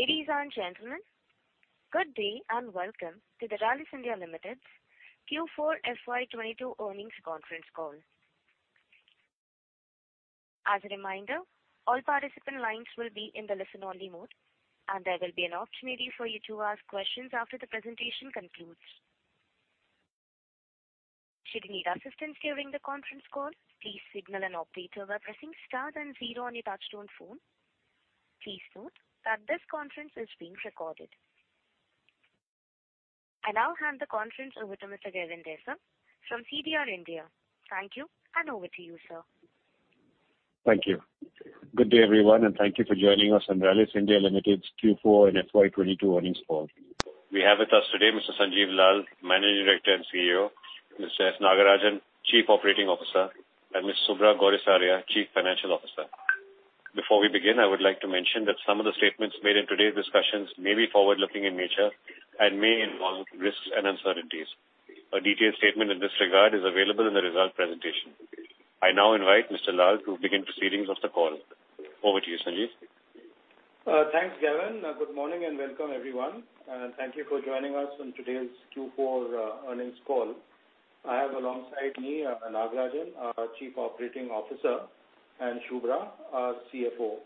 Ladies and gentlemen, good day and welcome to the Rallis India Limited Q4 FY 2022 Earnings Conference Call. As a reminder, all participant lines will be in the listen-only mode, and there will be an opportunity for you to ask questions after the presentation concludes. Should you need assistance during the conference call, please signal an operator by pressing star then zero on your touchtone phone. Please note that this conference is being recorded. I now hand the conference over to Mr. Gavin Desa from CDR India. Thank you, and over to you, sir. Thank you. Good day, everyone, and thank you for joining us on Rallis India Limited's Q4 and FY 2022 earnings call. We have with us today Mr. Sanjiv Lal, Managing Director and CEO, Mr. S. Nagarajan, Chief Operating Officer, and Ms. Subhra Gourisaria, Chief Financial Officer. Before we begin, I would like to mention that some of the statements made in today's discussions may be forward-looking in nature and may involve risks and uncertainties. A detailed statement in this regard is available in the result presentation. I now invite Mr. Lal to begin proceedings of the call. Over to you, Sanjiv. Thanks, Gavin. Good morning and welcome, everyone, and thank you for joining us on today's Q4 earnings call. I have alongside me Nagarajan, our Chief Operating Officer, and Subhra, our CFO.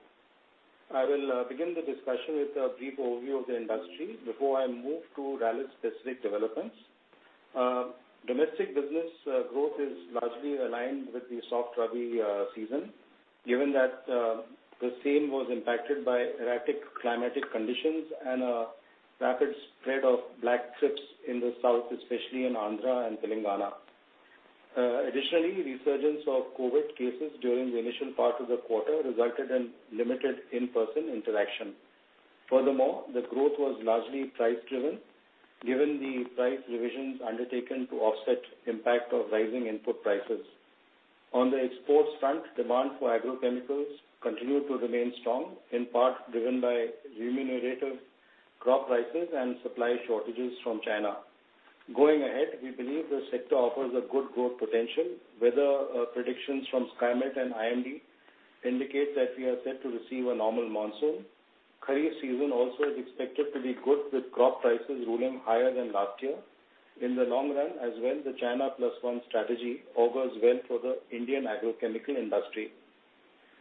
I will begin the discussion with a brief overview of the industry before I move to Rallis' specific developments. Domestic business growth is largely aligned with the soft Rabi season, given that the same was impacted by erratic climatic conditions and a rapid spread of black thrips in the south, especially in Andhra and Telangana. Additionally, resurgence of COVID cases during the initial part of the quarter resulted in limited in-person interaction. Furthermore, the growth was largely price driven given the price revisions undertaken to offset impact of rising input prices. On the export front, demand for agrochemicals continued to remain strong, in part driven by remunerative crop prices and supply shortages from China. Going ahead, we believe the sector offers a good growth potential. Weather predictions from Skymet and IMD indicate that we are set to receive a normal monsoon. Kharif season also is expected to be good with crop prices ruling higher than last year. In the long run as well, the China Plus One strategy augurs well for the Indian agrochemical industry.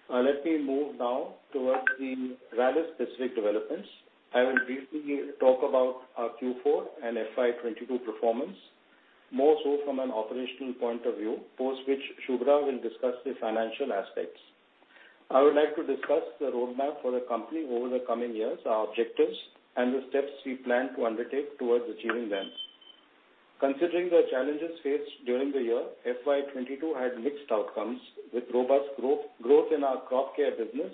Let me move now towards the Rallis specific developments. I will briefly talk about our Q4 and FY 2022 performance, more so from an operational point of view, post which Subhra will discuss the financial aspects. I would like to discuss the roadmap for the company over the coming years, our objectives and the steps we plan to undertake towards achieving them. Considering the challenges faced during the year, FY 2022 had mixed outcomes with robust growth in our crop care business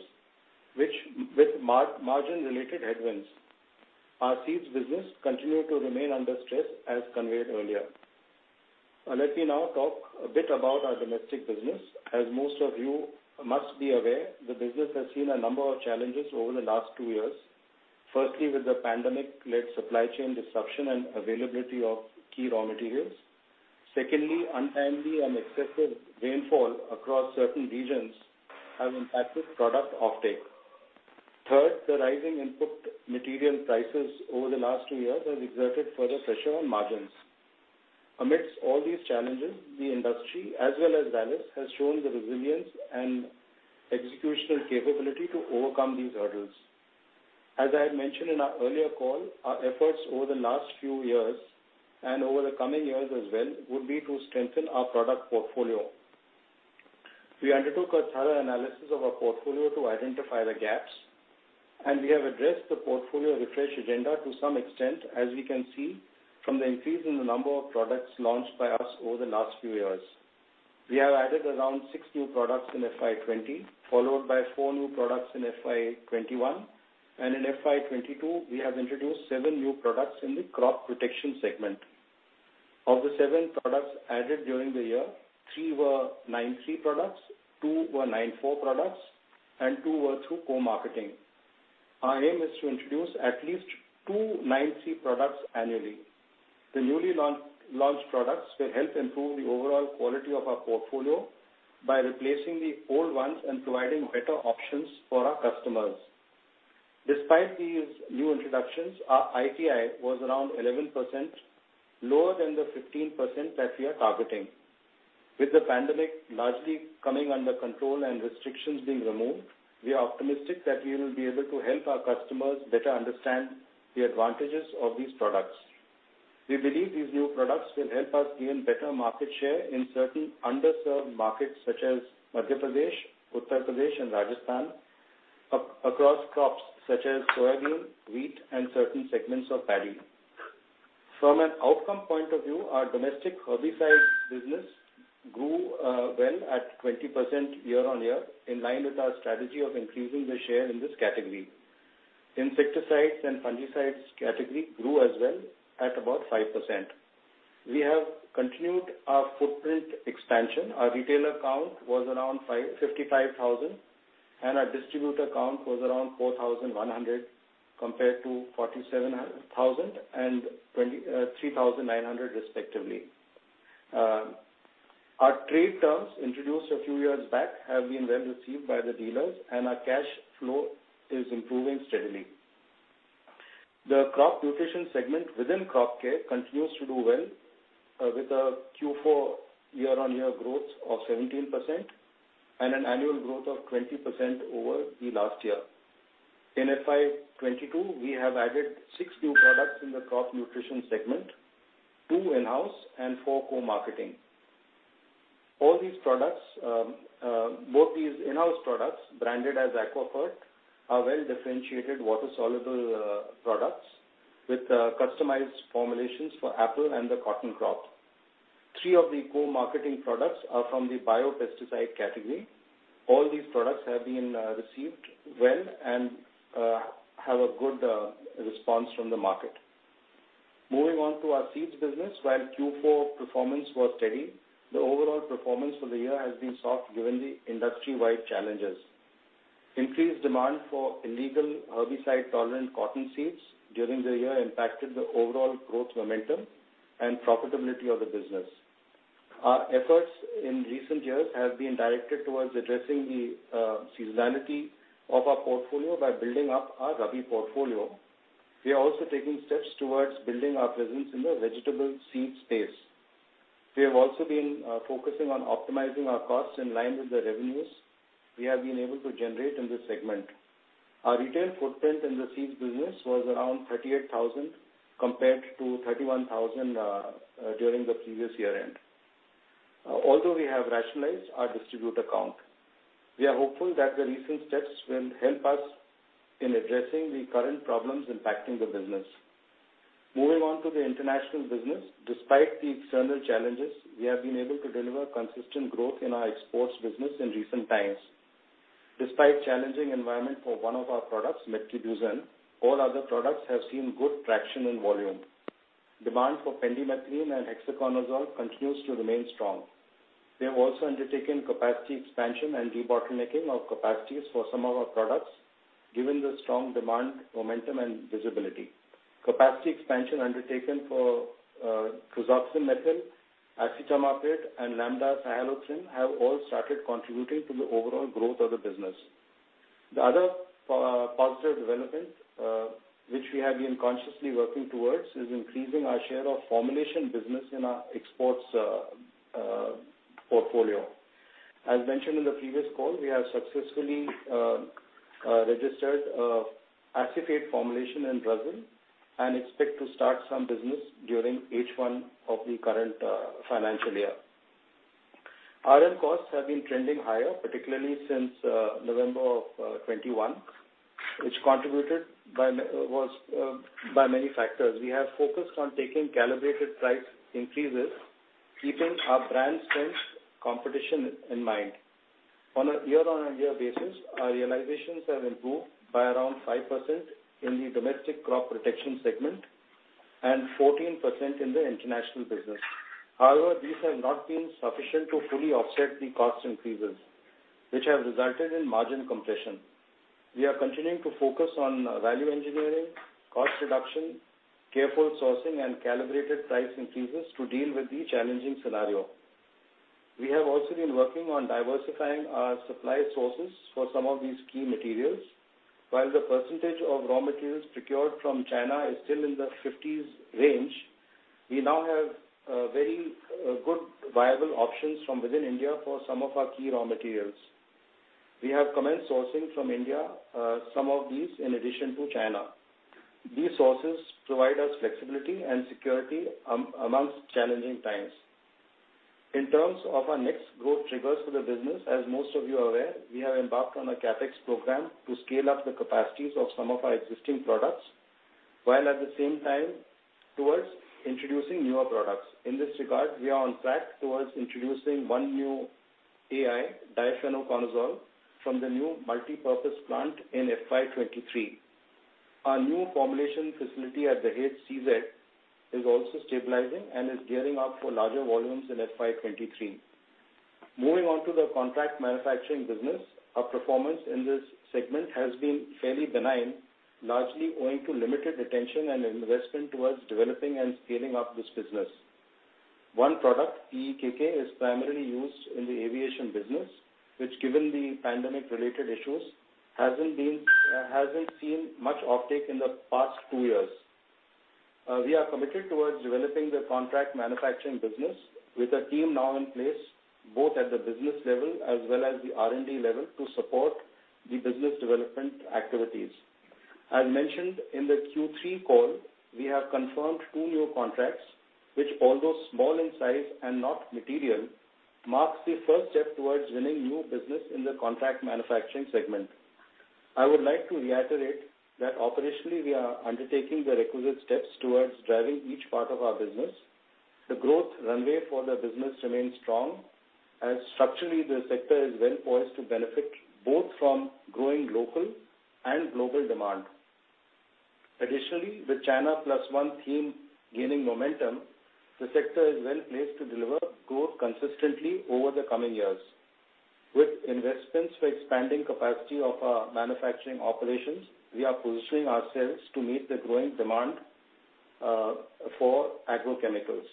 which with margin-related headwinds. Our seeds business continued to remain under stress as conveyed earlier. Let me now talk a bit about our domestic business. As most of you must be aware, the business has seen a number of challenges over the last two years. Firstly, with the pandemic-led supply chain disruption and availability of key raw materials. Secondly, untimely and excessive rainfall across certain regions have impacted product offtake. Third, the rising input material prices over the last two years have exerted further pressure on margins. Amidst all these challenges, the industry as well as Rallis has shown the resilience and executional capability to overcome these hurdles. As I had mentioned in our earlier call, our efforts over the last few years and over the coming years as well would be to strengthen our product portfolio. We undertook a thorough analysis of our portfolio to identify the gaps, and we have addressed the portfolio refresh agenda to some extent as we can see from the increase in the number of products launched by us over the last few years. We have added around six new products in FY 2020, followed by four new products in FY 2021. In FY 2022, we have introduced seven new products in the crop protection segment. Of the seven products added during the year, three were 9(3) products, two were 9(4) products, and two were through co-marketing. Our aim is to introduce at least two 9(3) products annually. The newly launched products will help improve the overall quality of our portfolio by replacing the old ones and providing better options for our customers. Despite these new introductions, our ITI was around 11%, lower than the 15% that we are targeting. With the pandemic largely coming under control and restrictions being removed, we are optimistic that we will be able to help our customers better understand the advantages of these products. We believe these new products will help us gain better market share in certain underserved markets such as Madhya Pradesh, Uttar Pradesh, and Rajasthan across crops such as soybean, wheat, and certain segments of paddy. From an outcome point of view, our domestic herbicide business grew well at 20% year-on-year in line with our strategy of increasing the share in this category. Insecticides and fungicides category grew as well at about 5%. We have continued our footprint expansion. Our retailer count was around 55,000, and our distributor count was around 4,100 compared to 47,000 and 23,900 respectively. Our trade terms introduced a few years back have been well received by the dealers, and our cash flow is improving steadily. The crop nutrition segment within crop care continues to do well, with a Q4 year-on-year growth of 17% and an annual growth of 20% over the last year. In FY 2022, we have added six new products in the crop nutrition segment, two in-house and four co-marketing. All these products, both these in-house products branded as Aquafert, are well-differentiated water-soluble products with customized formulations for apple and the cotton crop. Three of the co-marketing products are from the biopesticide category. All these products have been received well and have a good response from the market. Moving on to our seeds business. While Q4 performance was steady, the overall performance for the year has been soft given the industry-wide challenges. Increased demand for illegal herbicide-tolerant cotton seeds during the year impacted the overall growth momentum and profitability of the business. Our efforts in recent years have been directed towards addressing the seasonality of our portfolio by building up our Rabi portfolio. We are also taking steps towards building our presence in the vegetable seed space. We have also been focusing on optimizing our costs in line with the revenues we have been able to generate in this segment. Our retail footprint in the seeds business was around 38,000 compared to 31,000 during the previous year end. Although we have rationalized our distributor count, we are hopeful that the recent steps will help us in addressing the current problems impacting the business. Moving on to the international business. Despite the external challenges, we have been able to deliver consistent growth in our exports business in recent times. Despite a challenging environment for one of our products, metribuzin, all other products have seen good traction and volume. Demand for pendimethalin and hexaconazole continues to remain strong. We have also undertaken capacity expansion and debottlenecking of capacities for some of our products, given the strong demand, momentum and visibility. Capacity expansion undertaken for kresoxim-methyl, acetamiprid, and lambda-cyhalothrin have all started contributing to the overall growth of the business. The other positive development, which we have been consciously working towards is increasing our share of formulation business in our exports portfolio. As mentioned in the previous call, we have successfully registered acephate formulation in Brazil, and expect to start some business during H1 of the current financial year. RM costs have been trending higher, particularly since November of 2021, which was by many factors. We have focused on taking calibrated price increases, keeping our brand strength and competition in mind. On a year-on-year basis, our realizations have improved by around 5% in the domestic crop protection segment and 14% in the international business. However, these have not been sufficient to fully offset the cost increases which have resulted in margin compression. We are continuing to focus on value engineering, cost reduction, careful sourcing and calibrated price increases to deal with the challenging scenario. We have also been working on diversifying our supply sources for some of these key materials. While the percentage of raw materials procured from China is still in the 50s range, we now have very good viable options from within India for some of our key raw materials. We have commenced sourcing from India, some of these in addition to China. These sources provide us flexibility and security amongst challenging times. In terms of our next growth triggers for the business, as most of you are aware, we have embarked on a CapEx program to scale up the capacities of some of our existing products, while at the same time towards introducing newer products. In this regard, we are on track towards introducing one new AI, difenoconazole, from the new multipurpose plant in FY 2023. Our new formulation facility at Dahej, CZ, is also stabilizing and is gearing up for larger volumes in FY 2023. Moving on to the contract manufacturing business. Our performance in this segment has been fairly benign, largely owing to limited attention and investment towards developing and scaling up this business. One product, PEKK, is primarily used in the aviation business, which, given the pandemic-related issues, hasn't seen much uptake in the past two years. We are committed towards developing the contract manufacturing business with a team now in place, both at the business level as well as the R&D level, to support the business development activities. As mentioned in the Q3 call, we have confirmed two new contracts which, although small in size and not material, marks the first step towards winning new business in the contract manufacturing segment. I would like to reiterate that operationally we are undertaking the requisite steps towards driving each part of our business. The growth runway for the business remains strong as structurally the sector is well poised to benefit both from growing local and global demand. Additionally, with China Plus One theme gaining momentum, the sector is well placed to deliver growth consistently over the coming years. With investments for expanding capacity of our manufacturing operations, we are positioning ourselves to meet the growing demand for agrochemicals.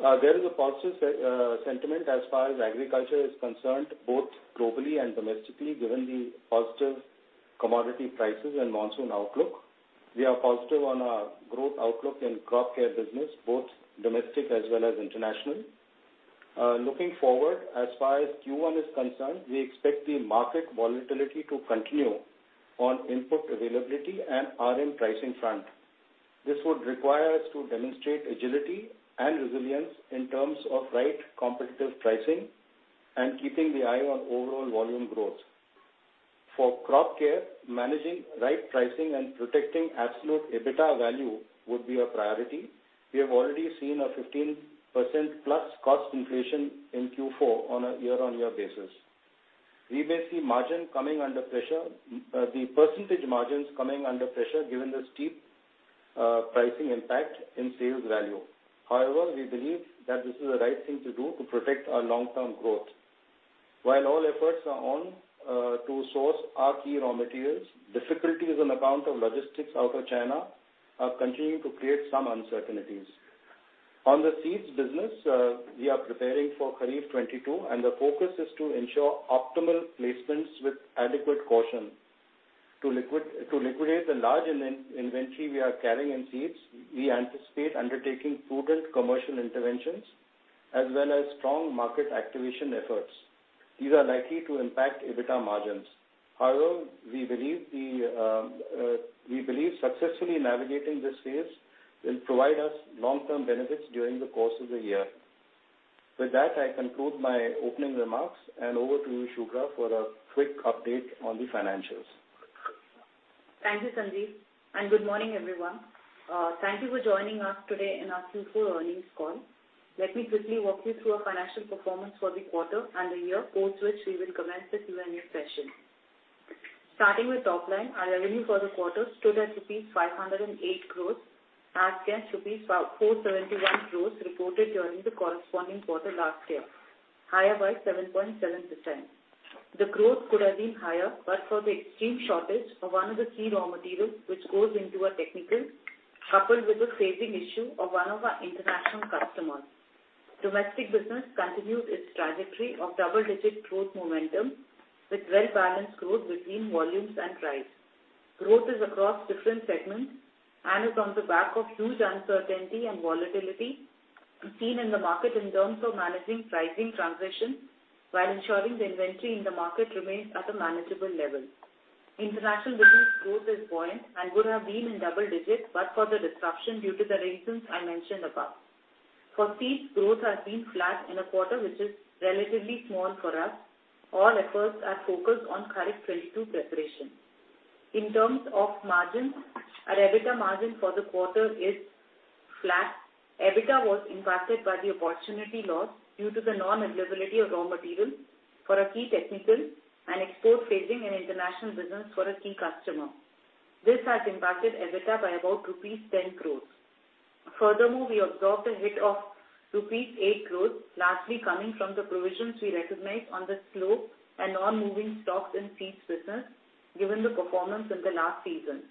There is a positive sentiment as far as agriculture is concerned, both globally and domestically, given the positive commodity prices and monsoon outlook. We are positive on our growth outlook in crop care business, both domestic as well as international. Looking forward, as far as Q1 is concerned, we expect the market volatility to continue on input availability and RM pricing front. This would require us to demonstrate agility and resilience in terms of right competitive pricing and keeping the eye on overall volume growth. For crop care, managing right pricing and protecting absolute EBITDA value would be a priority. We have already seen +15% cost inflation in Q4 on a year-on-year basis. We may see margin coming under pressure, the percentage margins coming under pressure given the steep pricing impact in sales value. However, we believe that this is the right thing to do to protect our long-term growth. While all efforts are on to source our key raw materials, difficulties on account of logistics out of China are continuing to create some uncertainties. On the seeds business, we are preparing for Kharif 2022, and the focus is to ensure optimal placements with adequate caution. To liquidate the large inventory we are carrying in seeds, we anticipate undertaking prudent commercial interventions as well as strong market activation efforts. These are likely to impact EBITDA margins. However, we believe successfully navigating this phase will provide us long-term benefits during the course of the year. With that, I conclude my opening remarks, and over to you, Subhra, for a quick update on the financials. Thank you, Sanjiv, and good morning, everyone. Thank you for joining us today in our Q4 earnings call. Let me quickly walk you through our financial performance for the quarter and the year, post which we will commence the Q&A session. Starting with top line, our revenue for the quarter stood at INR 508 crores, as against INR 471 crores reported during the corresponding quarter last year, higher by 7.7%. The growth could have been higher but for the extreme shortage of one of the key raw materials which goes into our technical, coupled with the servicing issue of one of our international customers. Domestic business continues its trajectory of double-digit growth momentum with well-balanced growth between volumes and price. Growth is across different segments and is on the back of huge uncertainty and volatility seen in the market in terms of managing pricing transition while ensuring the inventory in the market remains at a manageable level. International business growth is buoyant and would have been in double digits but for the disruption due to the reasons I mentioned above. For seeds, growth has been flat in a quarter which is relatively small for us. All efforts are focused on Kharif 2022 preparation. In terms of margins, our EBITDA margin for the quarter is flat. EBITDA was impacted by the opportunity loss due to the non-availability of raw materials for a key technical and export facing an international business for a key customer. This has impacted EBITDA by about rupees 10 crore. Furthermore, we absorbed a hit of rupees 8 crore, largely coming from the provisions we recognized on the slow and non-moving stocks in seeds business given the performance in the last season.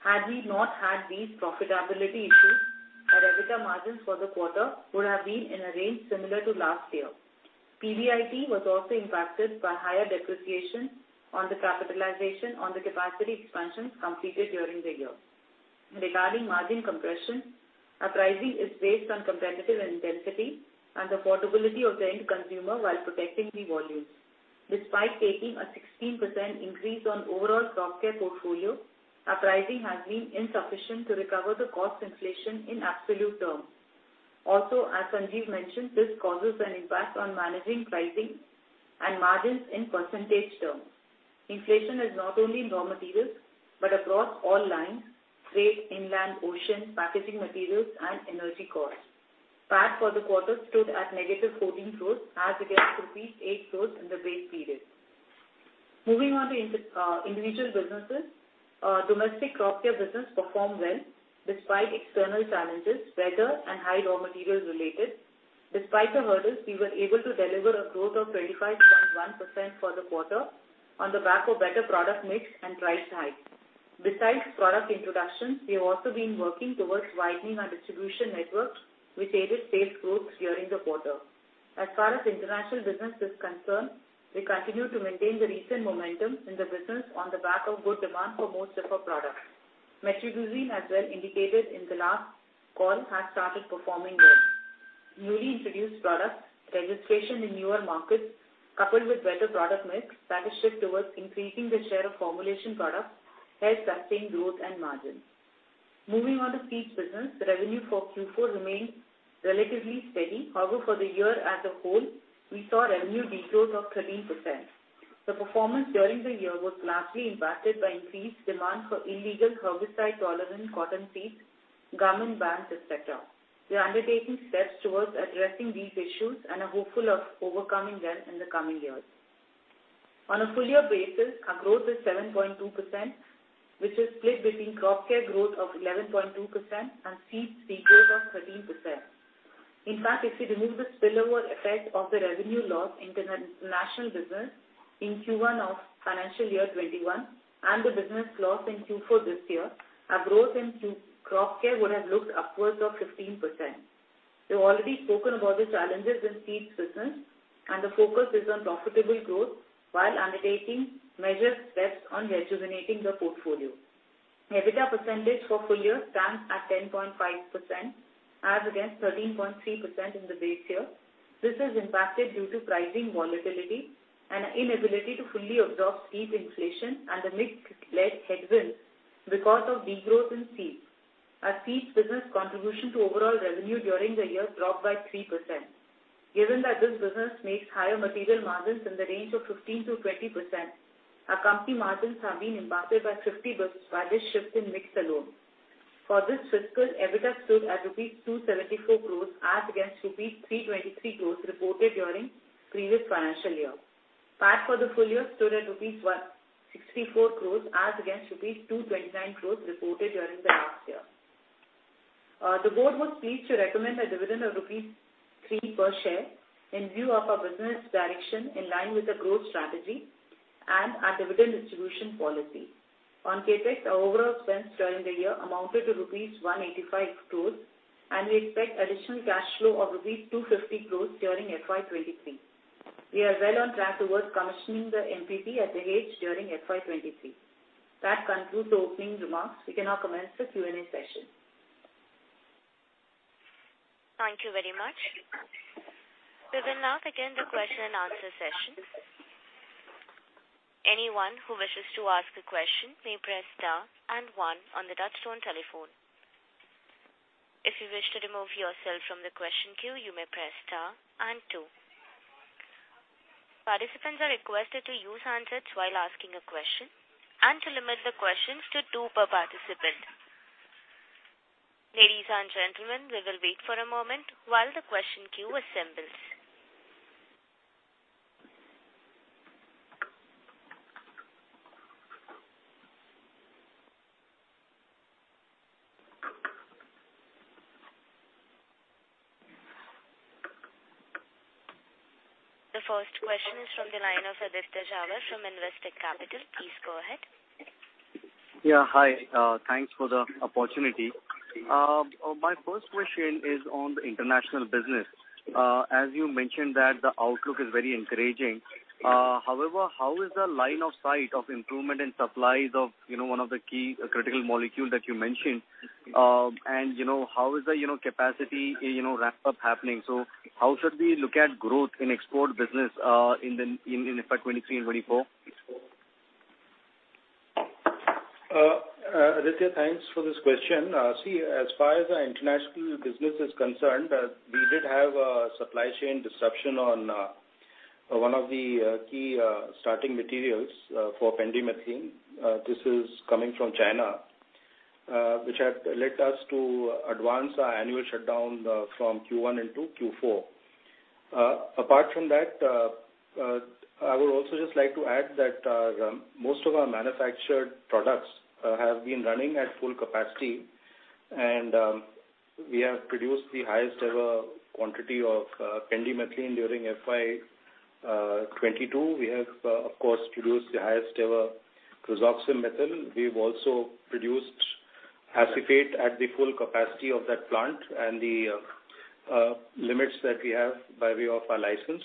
Had we not had these profitability issues, our EBITDA margins for the quarter would have been in a range similar to last year. PBIT was also impacted by higher depreciation on the capitalization on the capacity expansions completed during the year. Regarding margin compression, our pricing is based on competitive intensity and affordability of the end consumer while protecting the volumes. Despite taking a 16% increase on overall crop care portfolio, our pricing has been insufficient to recover the cost inflation in absolute terms. Also, as Sanjiv mentioned, this causes an impact on managing pricing and margins in percentage terms. Inflation is not only in raw materials, but across all lines, freight, inland, ocean, packaging materials and energy costs. PAT for the quarter stood at negative 14 crore as against rupees 8 crore in the base period. Moving on to individual businesses. Our domestic crop care business performed well despite external challenges, weather and high raw materials related. Despite the hurdles, we were able to deliver a growth of 35.1% for the quarter on the back of better product mix and price hikes. Besides product introductions, we have also been working towards widening our distribution network, which aided sales growth during the quarter. As far as international business is concerned, we continue to maintain the recent momentum in the business on the back of good demand for most of our products. Metribuzin, as well indicated in the last call, has started performing well. Newly introduced products, registration in newer markets coupled with better product mix, package shift towards increasing the share of formulation products, helped sustain growth and margins. Moving on to seeds business, the revenue for Q4 remained relatively steady. However, for the year as a whole, we saw revenue degrowth of 13%. The performance during the year was largely impacted by increased demand for illegal herbicide-tolerant cotton seeds, government bans, et cetera. We are undertaking steps towards addressing these issues and are hopeful of overcoming them in the coming years. On a full year basis, our growth is 7.2%, which is split between crop care growth of 11.2% and seeds growth of 13%. In fact, if we remove the spillover effect of the revenue loss in the national business in Q1 of FY 2021 and the business loss in Q4 this year, our growth in crop care would have looked upwards of 15%. We've already spoken about the challenges in seeds business and the focus is on profitable growth while undertaking measures based on rejuvenating the portfolio. EBITDA percentage for full year stands at 10.5% as against 13.3% in the base year. This is impacted due to pricing volatility and an inability to fully absorb seed inflation and the mix-led headwinds because of degrowth in seeds. Our seeds business contribution to overall revenue during the year dropped by 3%. Given that this business makes higher material margins in the range of 15%-20%, our company margins have been impacted by 50 basis points by this shift in mix alone. For this fiscal, EBITDA stood at INR 274 crores as against INR 323 crores reported during previous financial year. PAT for the full year stood at INR 164 crores as against INR 229 crores reported during the last year. The board was pleased to recommend a dividend of INR 3 per share in view of our business direction in line with the growth strategy and our dividend distribution policy. On CapEx, our overall spends during the year amounted to rupees 185 crores, and we expect additional cash flow of rupees 250 crores during FY 2023. We are well on track towards commissioning the MPP at Dahej during FY 2023. That concludes the opening remarks. We can now commence the Q&A session. Thank you very much. We will now begin the question and answer session. Anyone who wishes to ask a question may press star and one on the touchtone telephone. If you wish to remove yourself from the question queue, you may press star and two. Participants are requested to use handsets while asking a question, and to limit the questions to two per participant. Ladies and gentlemen, we will wait for a moment while the question queue assembles. The first question is from the line of Aditya Jhawar from Investec Capital. Please go ahead. Yeah, hi. Thanks for the opportunity. My first question is on the international business. As you mentioned that the outlook is very encouraging. However, how is the line of sight of improvement in supplies of, you know, one of the key critical molecule that you mentioned? And, you know, how is the, you know, capacity, you know, ramp-up happening? How should we look at growth in export business in FY 2023 and 2024? Aditya, thanks for this question. See, as far as our international business is concerned, we did have a supply chain disruption on one of the key starting materials for pendimethalin. This is coming from China, which had led us to advance our annual shutdown from Q1 into Q4. Apart from that, I would also just like to add that most of our manufactured products have been running at full capacity and we have produced the highest ever quantity of pendimethalin during FY 2022. We have, of course, produced the highest ever Kresoxim-methyl. We've also produced acephate at the full capacity of that plant and the limits that we have by way of our license.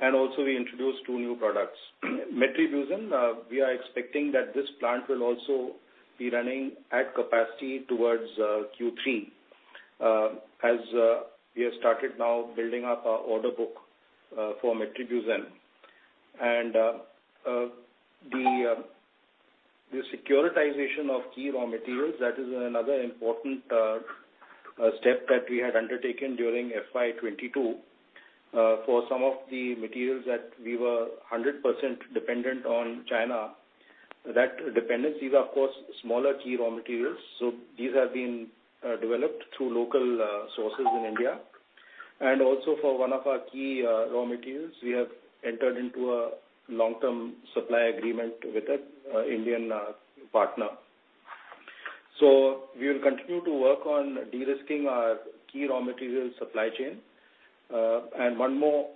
We also introduced two new products. Metribuzin, we are expecting that this plant will also be running at capacity towards Q3, as we have started now building up our order book for metribuzin. The securing of key raw materials, that is another important step that we had undertaken during FY 2022 for some of the materials that we were 100% dependent on China. That dependency is, of course, smaller key raw materials, so these have been developed through local sources in India. Also for one of our key raw materials, we have entered into a long-term supply agreement with an Indian partner. We will continue to work on de-risking our key raw material supply chain. One more,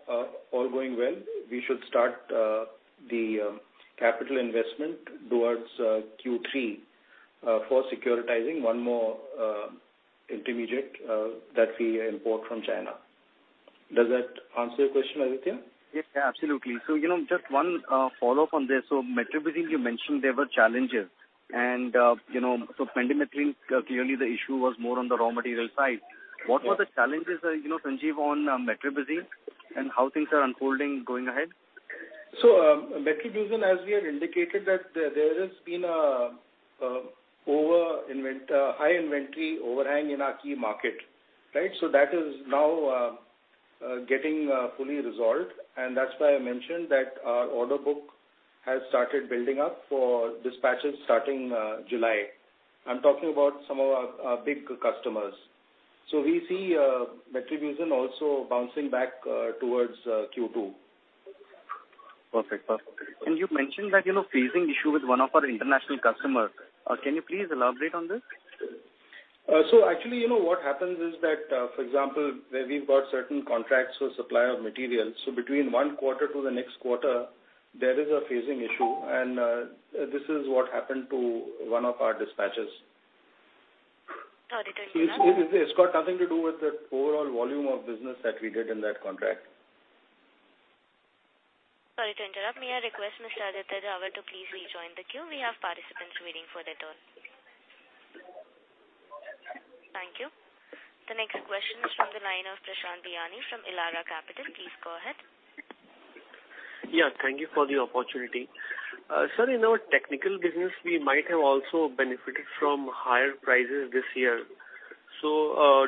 all going well, we should start the capital investment towards Q3 for synthesizing one more intermediate that we import from China. Does that answer your question, Aditya? Yes. Yeah, absolutely. You know, just one follow-up on this. Metribuzin you mentioned there were challenges and, you know, so pendimethalin clearly the issue was more on the raw material side. What were the challenges, you know, Sanjiv, on metribuzin, and how things are unfolding going ahead? Metribuzin, as we had indicated that there has been a high inventory overhang in our key market, right? That is now getting fully resolved, and that's why I mentioned that our order book has started building up for dispatches starting July. I'm talking about some of our big customers. We see metribuzin also bouncing back towards Q2. Perfect. You mentioned that, you know, phasing issue with one of our international customer. Can you please elaborate on this? Actually, you know, what happens is that, for example, where we've got certain contracts for supply of materials. Between one quarter to the next quarter, there is a phasing issue, and this is what happened to one of our dispatches. Sorry to interrupt. It's got nothing to do with the overall volume of business that we did in that contract. Sorry to interrupt. May I request Mr. Aditya Jhawar to please rejoin the queue. We have participants waiting for their turn. Thank you. The next question is from the line of Prashant Biyani from Elara Capital. Please go ahead. Yeah, thank you for the opportunity. Sir, in our technical business, we might have also benefited from higher prices this year.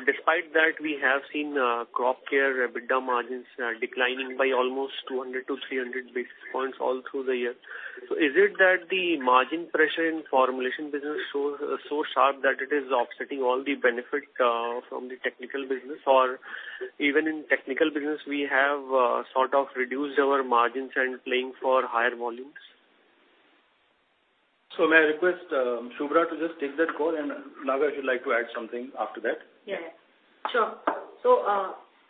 Despite that, we have seen Crop Care EBITDA margins declining by almost 200-300 basis points all through the year. Is it that the margin pressure in formulation business shows so sharp that it is offsetting all the benefit from the technical business? Or even in technical business, we have sort of reduced our margins and playing for higher volumes. May I request Subhra to just take that call, and Naga, if you'd like to add something after that. Yeah, sure.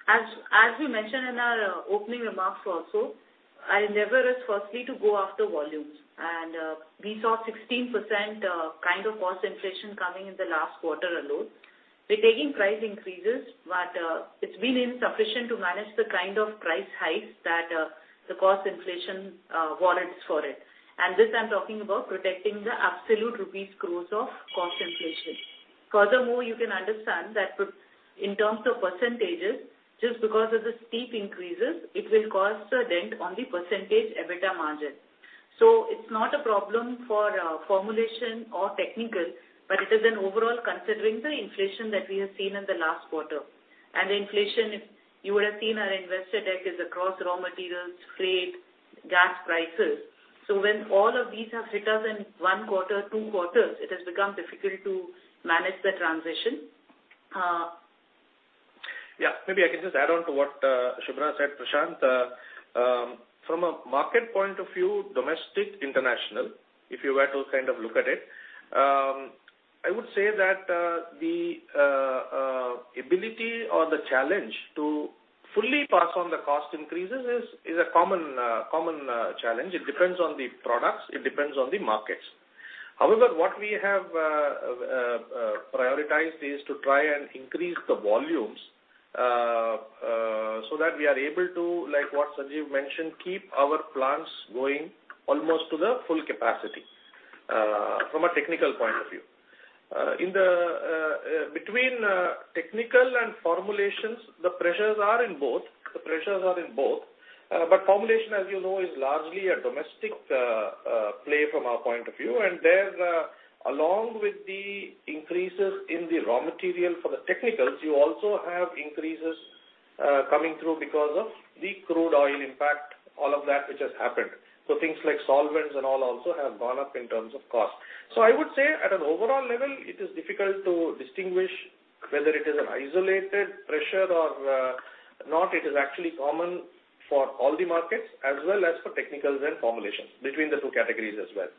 As we mentioned in our opening remarks also, our endeavor is firstly to go after volumes. We saw 16% of kind of cost inflation coming in the last quarter alone. We're taking price increases, but it's been insufficient to manage the kind of price hikes that the cost inflation warrants for it. This I'm talking about protecting the absolute rupees growth of cost inflation. Furthermore, you can understand that with, in terms of percentages, just because of the steep increases, it will cause a dent on the percentage EBITDA margin. It's not a problem for formulation or technical, but it is an overall considering the inflation that we have seen in the last quarter. Inflation, if you would have seen our investor deck, is across raw materials, freight, gas prices. When all of these have hit us in one quarter, two quarters, it has become difficult to manage the transition. Yeah. Maybe I can just add on to what Subhra said, Prashant. From a market point of view, domestic, international, if you were to kind of look at it, I would say that the ability or the challenge to fully pass on the cost increases is a common challenge. It depends on the products. It depends on the markets. However, what we have prioritized is to try and increase the volumes so that we are able to, like what Sanjiv mentioned, keep our plants going almost to the full capacity from a technical point of view. Between technical and formulations, the pressures are in both. But formulation, as you know, is largely a domestic play from our point of view. There, along with the increases in the raw material for the technicals, you also have increases, coming through because of the crude oil impact, all of that which has happened. Things like solvents and all also have gone up in terms of cost. I would say at an overall level, it is difficult to distinguish whether it is an isolated pressure or not. It is actually common for all the markets as well as for technicals and formulations between the two categories as well.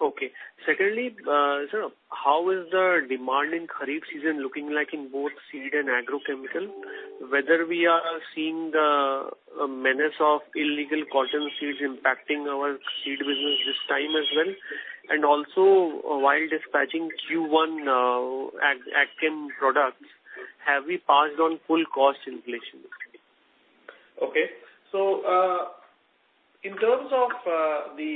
Okay. Secondly, sir, how is the demand in Kharif season looking like in both seed and agrochemical? Whether we are seeing the menace of illegal cotton seeds impacting our seed business this time as well? While dispatching Q1 ag chem products, have we passed on full cost inflation? Okay. In terms of the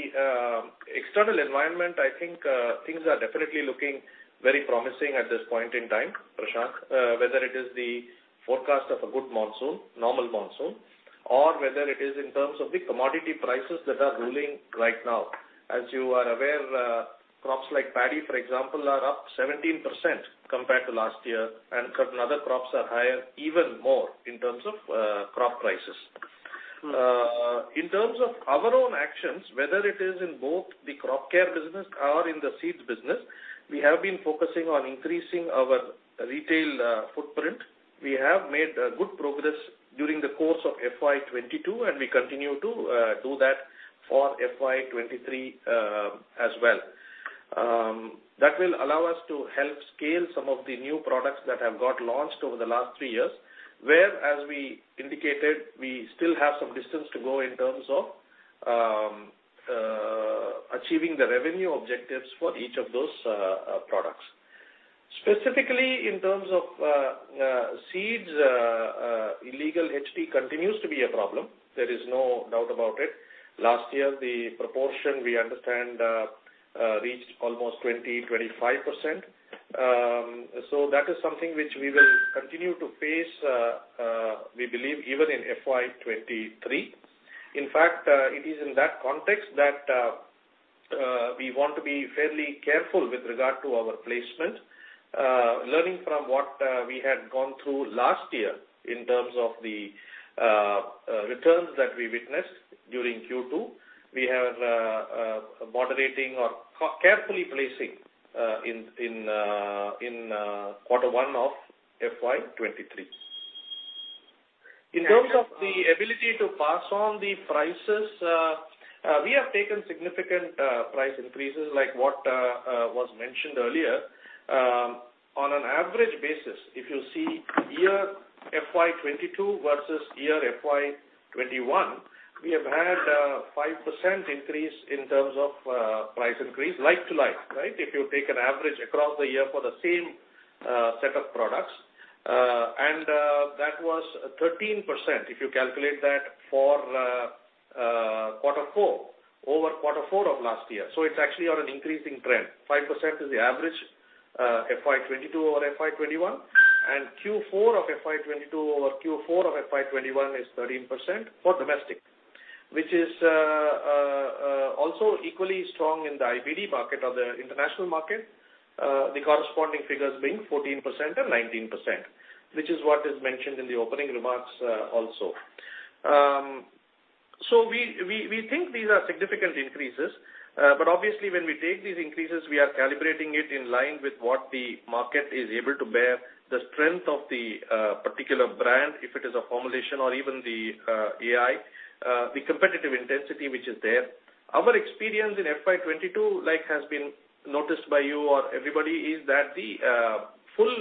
external environment, I think things are definitely looking very promising at this point in time, Prashant. Whether it is the forecast of a good monsoon, normal monsoon, or whether it is in terms of the commodity prices that are ruling right now. As you are aware, crops like paddy, for example, are up 17% compared to last year, and certain other crops are higher even more in terms of crop prices. In terms of our own actions, whether it is in both the crop care business or in the seeds business, we have been focusing on increasing our retail footprint. We have made good progress during the course of FY 2022, and we continue to do that for FY 2023 as well. That will allow us to help scale some of the new products that have got launched over the last three years. Where, as we indicated, we still have some distance to go in terms of achieving the revenue objectives for each of those products. Specifically, in terms of seeds, illegal HT continues to be a problem. There is no doubt about it. Last year, the proportion we understand reached almost 20%-25%. That is something which we will continue to face, we believe even in FY 2023. In fact, it is in that context that we want to be fairly careful with regard to our placement. Learning from what we had gone through last year in terms of the returns that we witnessed during Q2, we have moderating or carefully placing in quarter one of FY 2023. In terms of the ability to pass on the prices, we have taken significant price increases, like what was mentioned earlier. On an average basis, if you see year FY 2022 versus year FY 2021, we have had 5% increase in terms of price increase like to like, right? If you take an average across the year for the same set of products. That was 13% if you calculate that for quarter four over quarter four of last year. It's actually on an increasing trend. 5% is the average, FY 2022 over FY 2021, and Q4 of FY 2022 over Q4 of FY 2021 is 13% for domestic, which is also equally strong in the IBD market or the international market, the corresponding figures being 14% or 19%, which is what is mentioned in the opening remarks, also. We think these are significant increases. Obviously, when we take these increases, we are calibrating it in line with what the market is able to bear, the strength of the particular brand, if it is a formulation or even the AI, the competitive intensity which is there. Our experience in FY 2022, like has been noticed by you or everybody, is that the full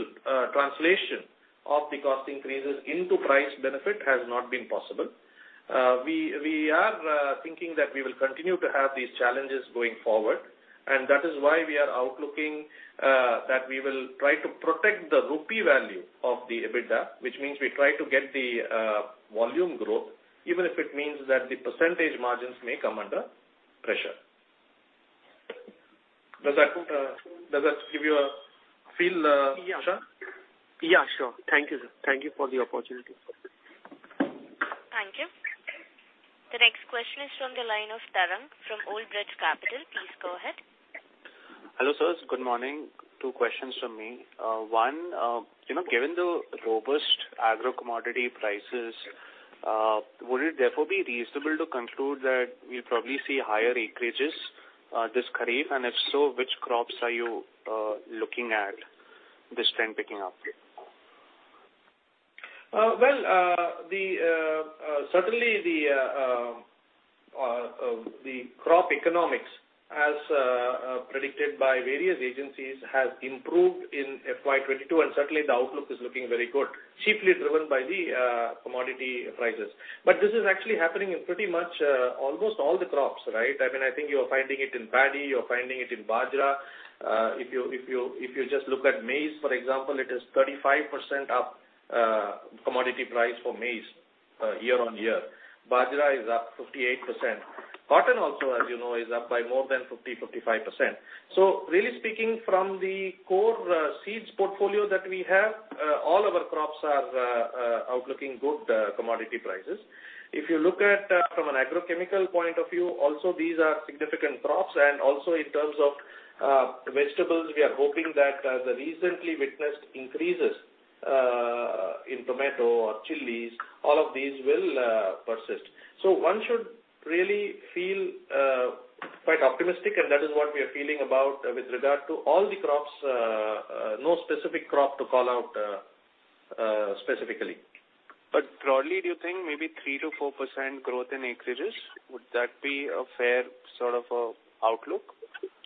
translation of the cost increases into price benefit has not been possible. We are thinking that we will continue to have these challenges going forward, and that is why our outlook is that we will try to protect the rupee value of the EBITDA, which means we try to get the volume growth, even if it means that the percentage margins may come under pressure. Does that give you a feel, Prashant? Yeah, sure. Thank you, sir. Thank you for the opportunity. Thank you. The next question is from the line of Tarang from Old Bridge Capital. Please go ahead. Hello, sirs. Good morning. Two questions from me. One, you know, given the robust agro commodity prices, would it therefore be reasonable to conclude that we'll probably see higher acreages, this Kharif? And if so, which crops are you looking at this trend picking up? Certainly the crop economics, as predicted by various agencies, has improved in FY 2022, and certainly the outlook is looking very good, chiefly driven by the commodity prices. This is actually happening in pretty much almost all the crops, right? I mean, I think you're finding it in paddy, you're finding it in bajra. If you just look at maize, for example, it is 35% up, commodity price for maize, year on year. Bajra is up 58%. Cotton also, as you know, is up by more than 55%. Really speaking from the core seeds portfolio that we have, all our crops are outlooking good commodity prices. If you look at from an agrochemical point of view, also these are significant crops. Also in terms of vegetables, we are hoping that the recently witnessed increases in tomato or chilies, all of these will persist. One should really feel quite optimistic, and that is what we are feeling about with regard to all the crops. No specific crop to call out specifically. Broadly, do you think maybe 3%-4% growth in acreages, would that be a fair sort of outlook?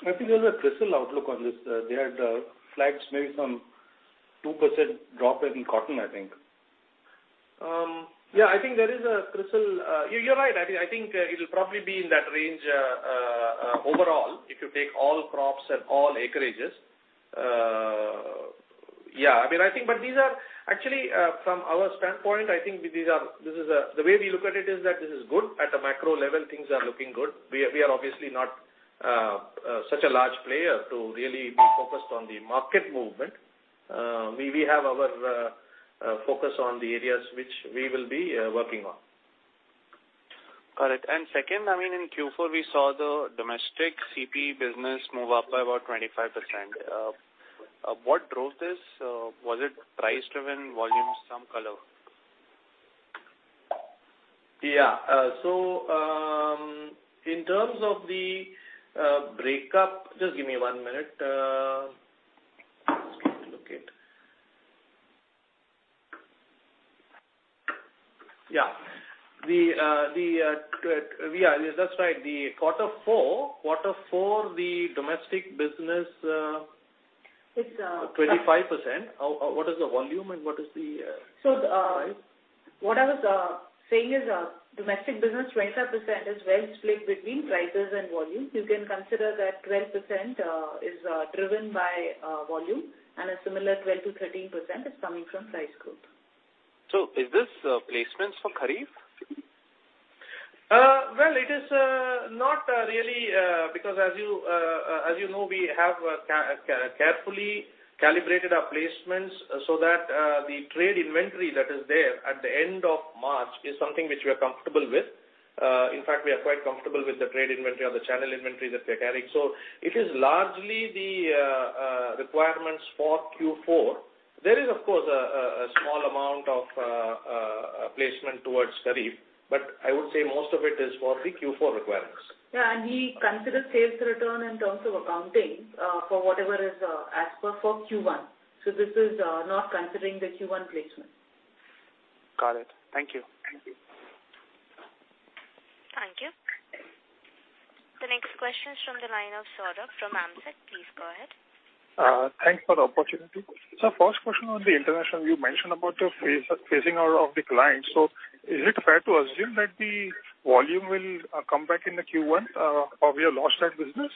I think there's a CRISIL outlook on this. They had flagged maybe some 2% drop in cotton, I think. Yeah, I think there is a CRISIL. You're right. I think it'll probably be in that range overall, if you take all crops and all acreages. Yeah, I mean, I think. These are actually from our standpoint, I think this is the way we look at it is that this is good. At a macro level, things are looking good. We are obviously not such a large player to really be focused on the market movement. We have our focus on the areas which we will be working on. Correct. Second, I mean, in Q4, we saw the domestic CP business move up by about 25%. What drove this? Was it price driven, volume, some color? Yeah. In terms of the breakup. Just give me one minute, just let me look at it. Yeah, that's right. The quarter four domestic business. 25%. What is the volume and what is the price? What I was saying is domestic business, 25% is well split between prices and volumes. You can consider that 12% is driven by volume, and a similar 12%-13% is coming from price growth. Is this placements for Kharif? Well, it is not really because as you know, we have carefully calibrated our placements so that the trade inventory that is there at the end of March is something which we are comfortable with. In fact, we are quite comfortable with the trade inventory or the channel inventory that we are carrying. It is largely the requirements for Q4. There is of course a small amount of placement towards Kharif, but I would say most of it is for the Q4 requirements. Yeah, we consider sales return in terms of accounting, for whatever is, as per for Q1. This is not considering the Q1 placement. Got it. Thank you. Next question is from the line of Saurabh from Ambit. Please go ahead. Thanks for the opportunity. First question on the international, you mentioned about the phasing out of the clients. Is it fair to assume that the volume will come back in the Q1, or we have lost that business?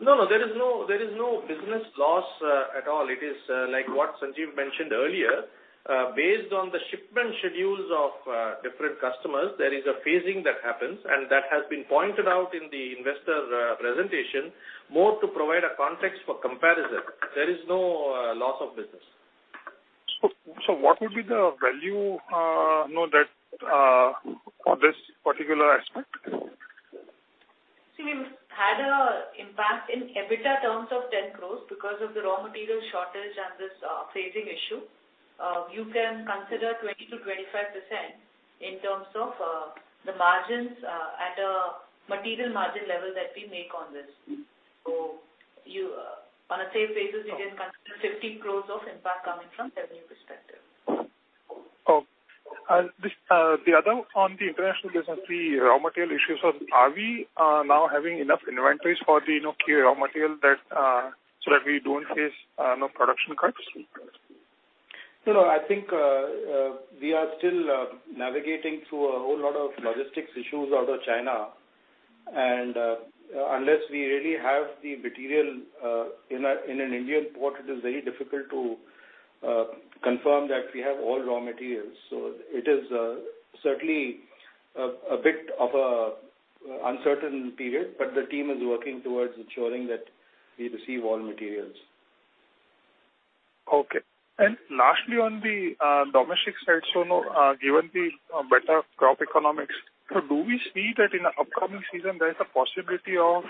No, there is no business loss at all. It is like what Sanjiv mentioned earlier. Based on the shipment schedules of different customers, there is a phasing that happens, and that has been pointed out in the investor presentation more to provide a context for comparison. There is no loss of business. What would be the value, you know, that, for this particular aspect? See, we've had an impact in EBITDA terms of 10 crore because of the raw material shortage and this phasing issue. You can consider 20%-25% in terms of the margins at a material margin level that we make on this. You, on the same basis, can consider 15 crore of impact coming from revenue perspective. Okay. This, the other on the international business, the raw material issues, are we now having enough inventories for the, you know, key raw material that so that we don't face no production cuts? No, I think, we are still navigating through a whole lot of logistics issues out of China. Unless we really have the material in an Indian port, it is very difficult to confirm that we have all raw materials. It is certainly a bit of an uncertain period. The team is working towards ensuring that we receive all materials. Okay. Lastly, on the domestic side, so now, given the better crop economics, so do we see that in the upcoming season there is a possibility of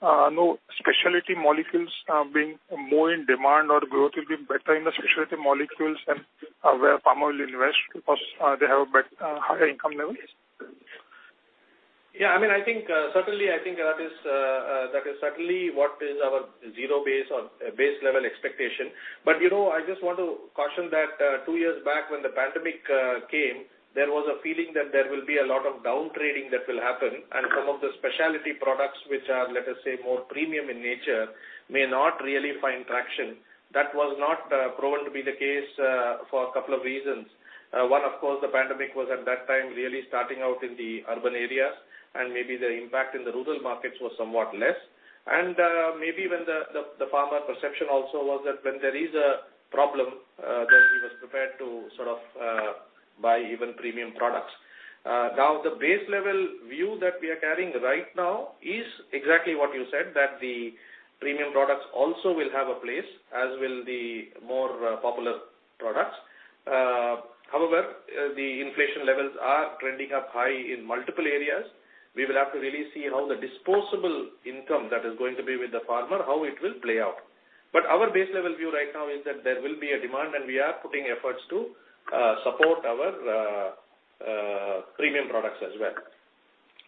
you know, specialty molecules being more in demand or growth will be better in the specialty molecules and where farmer will invest because they have a better higher income levels? I mean, I think certainly that is certainly what is our zero base or base level expectation. You know, I just want to caution that two years back when the pandemic came, there was a feeling that there will be a lot of downtrading that will happen. Some of the specialty products which are, let us say, more premium in nature, may not really find traction. That was not proven to be the case for a couple of reasons. One, of course, the pandemic was at that time really starting out in the urban areas, and maybe the impact in the rural markets was somewhat less. Maybe even the farmer perception also was that when there is a problem, then he was prepared to sort of buy even premium products. Now the base level view that we are carrying right now is exactly what you said, that the premium products also will have a place, as will the more popular products. However, the inflation levels are trending up high in multiple areas. We will have to really see how the disposable income that is going to be with the farmer, how it will play out. Our base level view right now is that there will be a demand, and we are putting efforts to support our premium products as well.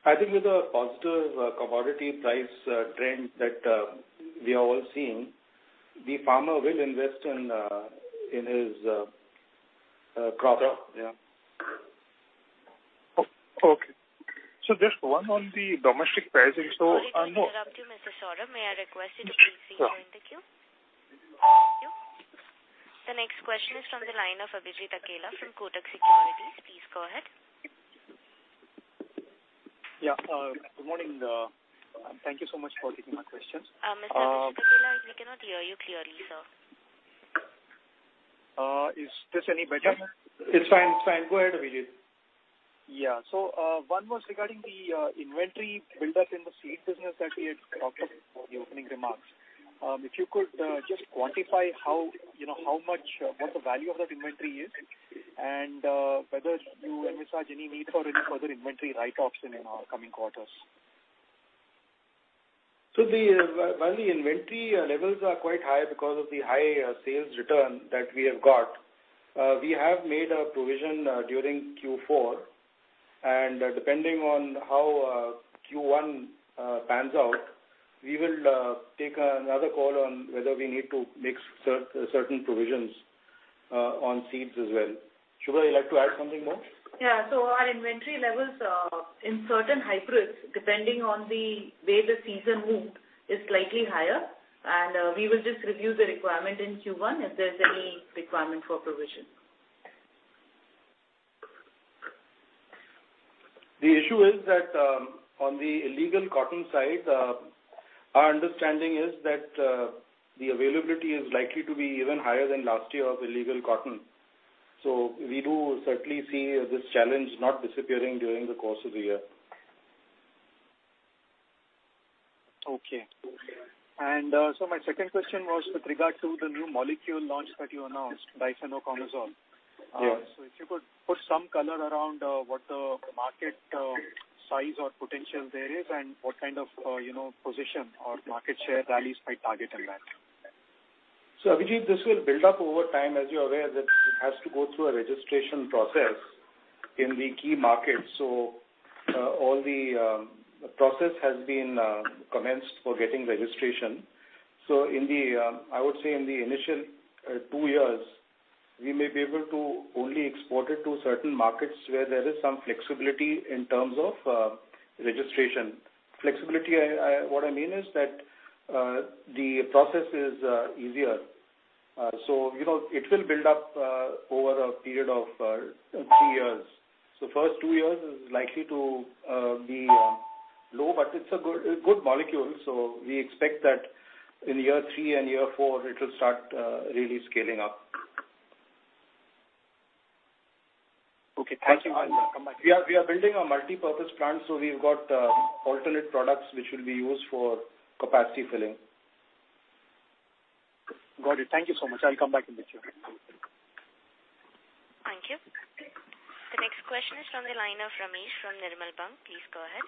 I think with the positive commodity price trend that we are all seeing, the farmer will invest in his crop. Crop. Yeah. Okay. Just one on the domestic pricing-- Sorry to interrupt you, Mr. Saurabh. May I request you to please wait. You're in the queue? Sure. Thank you. The next question is from the line of Abhijit Akella from Kotak Securities. Please go ahead. Yeah. Good morning. Thank you so much for taking my questions. Mr. Abhijit Akella, we cannot hear you clearly, sir. Is this any better? It's fine. It's fine. Go ahead, Abhijit. One was regarding the inventory build-up in the seed business that we had talked in the opening remarks. If you could just quantify how, you know, how much, what the value of that inventory is and whether you envisage any need for any further inventory write-offs in upcoming quarters. Well, the inventory levels are quite high because of the high sales return that we have got. We have made a provision during Q4, and depending on how Q1 pans out, we will take another call on whether we need to make certain provisions on seeds as well. Subhra, you'd like to add something more? Our inventory levels in certain hybrids, depending on the way the season moved, is slightly higher. We will just review the requirement in Q1 if there's any requirement for provision. The issue is that, on the illegal cotton side, our understanding is that, the availability is likely to be even higher than last year of illegal cotton. We do certainly see this challenge not disappearing during the course of the year. Okay. My second question was with regard to the new molecule launch that you announced, difenoconazole. If you could put some color around what the market size or potential there is and what kind of, you know, position or market share Rallis is targeting, right? Abhijit, this will build up over time. As you're aware, that it has to go through a registration process in the key markets. All the process has been commenced for getting registration. I would say in the initial two years, we may be able to only export it to certain markets where there is some flexibility in terms of registration. Flexibility, what I mean is that the process is easier. You know, it will build up over a period of three years. First two years is likely to be low, but it's a good molecule, so we expect that in year three and year four it will start really scaling up. Okay. Thank you. I'll come back to you. We are building a multipurpose plant, so we've got alternate products which will be used for capacity filling. Got it. Thank you so much. I'll come back in the queue. Thank you. The next question is from the line of Ramesh from Nirmal Bang. Please go ahead.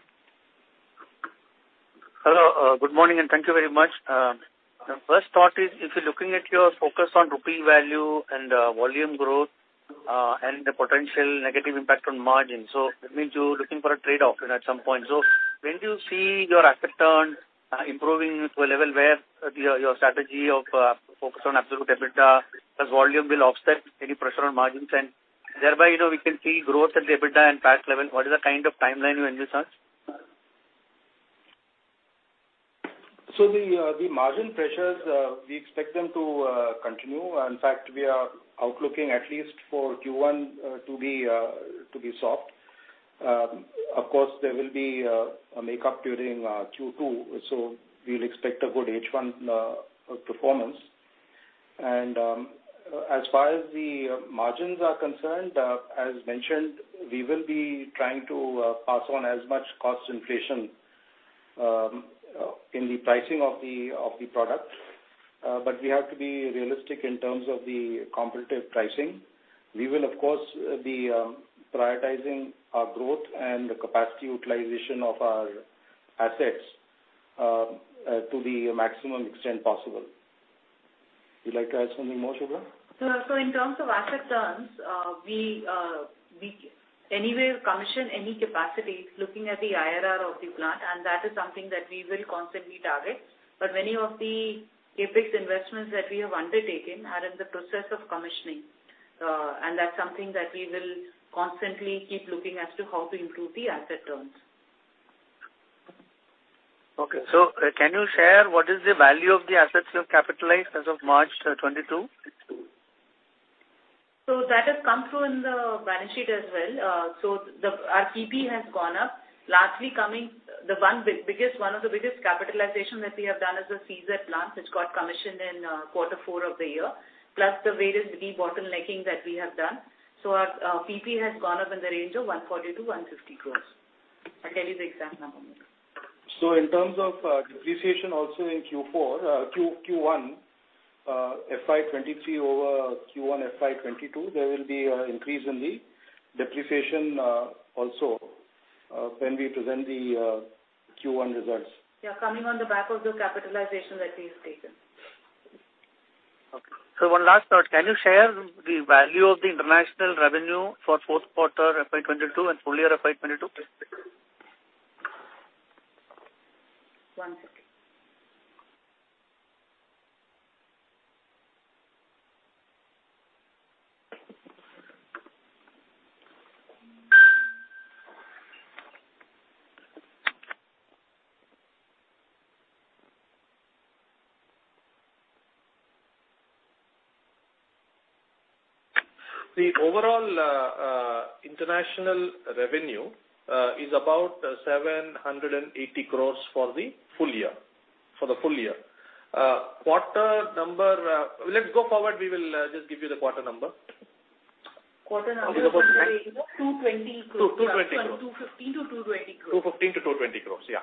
Hello. Good morning, and thank you very much. The first thought is if you're looking at your focus on rupee value and volume growth and the potential negative impact on margin, so that means you're looking for a trade-off then at some point. When do you see your asset turns improving to a level where your strategy of focus on absolute EBITDA plus volume will offset any pressure on margins? Thereby, you know, we can see growth in the EBITDA and PAT level. What is the kind of timeline you envision? The margin pressures, we expect them to continue. In fact, our outlook at least for Q1 to be soft. Of course, there will be a make-up during Q2, so we'll expect a good H1 performance. As far as the margins are concerned, as mentioned, we will be trying to pass on as much cost inflation in the pricing of the product. We have to be realistic in terms of the competitive pricing. We will of course be prioritizing our growth and the capacity utilization of our assets to the maximum extent possible. Would you like to add something more, Subhra? In terms of asset turns, we are nowhere near commissioning any capacity looking at the IRR of the plant, and that is something that we will constantly target. Many of the CapEx investments that we have undertaken are in the process of commissioning, and that's something that we will constantly keep looking as to how to improve the asset turns. Okay. Can you share what is the value of the assets you have capitalized as of March 2022? That has come through in the balance sheet as well. Our PPE has gone up. Lastly, one of the biggest capitalizations that we have done is the CZ plant, which got commissioned in quarter four of the year, plus the various debottlenecking that we have done. Our PPE has gone up in the range of 140 crores-150 crores. I'll tell you the exact number. In terms of depreciation also in Q4 Q1 FY 2023 over Q1 FY 2022, there will be a increase in the depreciation also when we present the Q1 results. Yeah. Coming on the back of the capitalization that we've taken. Okay. One last note. Can you share the value of the international revenue for fourth quarter FY 2022 and full year FY 2022? One second. The overall international revenue is about 780 crore for the full year. Quarter number. Let's go forward. We will just give you the quarter number. Quarter number 220 crore. 220 crore. 250 crores to 220 crores. 215 crore-220 crore. Yeah.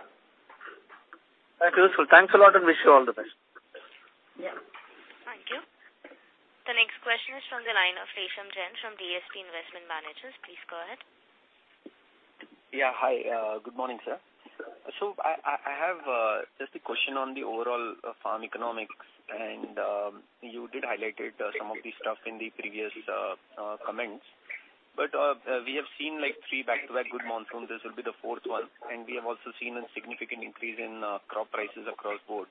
That's useful. Thanks a lot, and wish you all the best. Thank you. The next question is from the line of Resham Jain from DSP Investment Managers. Please go ahead. Yeah. Hi. Good morning, sir. I have just a question on the overall farm economics, and you did highlight it some of the stuff in the previous comments. We have seen like three back-to-back good monsoons. This will be the fourth one, and we have also seen a significant increase in crop prices across the board.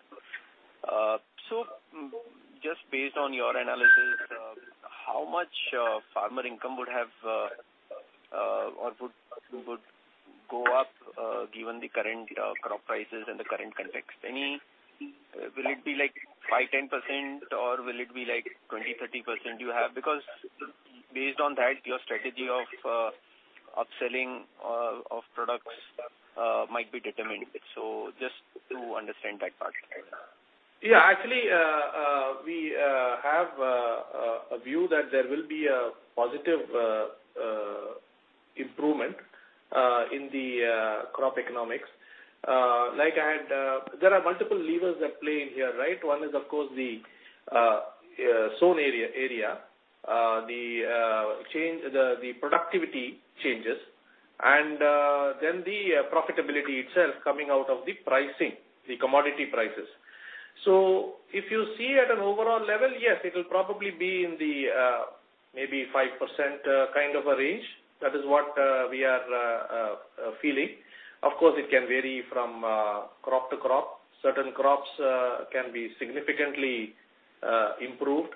Just based on your analysis, how much farmer income would have or would go up given the current crop prices and the current context? Will it be like 5%-10% or will it be like 20%-30% you have? Because based on that, your strategy of upselling of products might be determined. Just to understand that part. Actually, we have a view that there will be a positive improvement in the crop economics. There are multiple levers at play in here, right? One is of course the sown area, the change, the productivity changes, and then the profitability itself coming out of the pricing, the commodity prices. If you see at an overall level, yes, it'll probably be in the maybe 5% kind of a range. That is what we are feeling. Of course, it can vary from crop to crop. Certain crops can be significantly improved.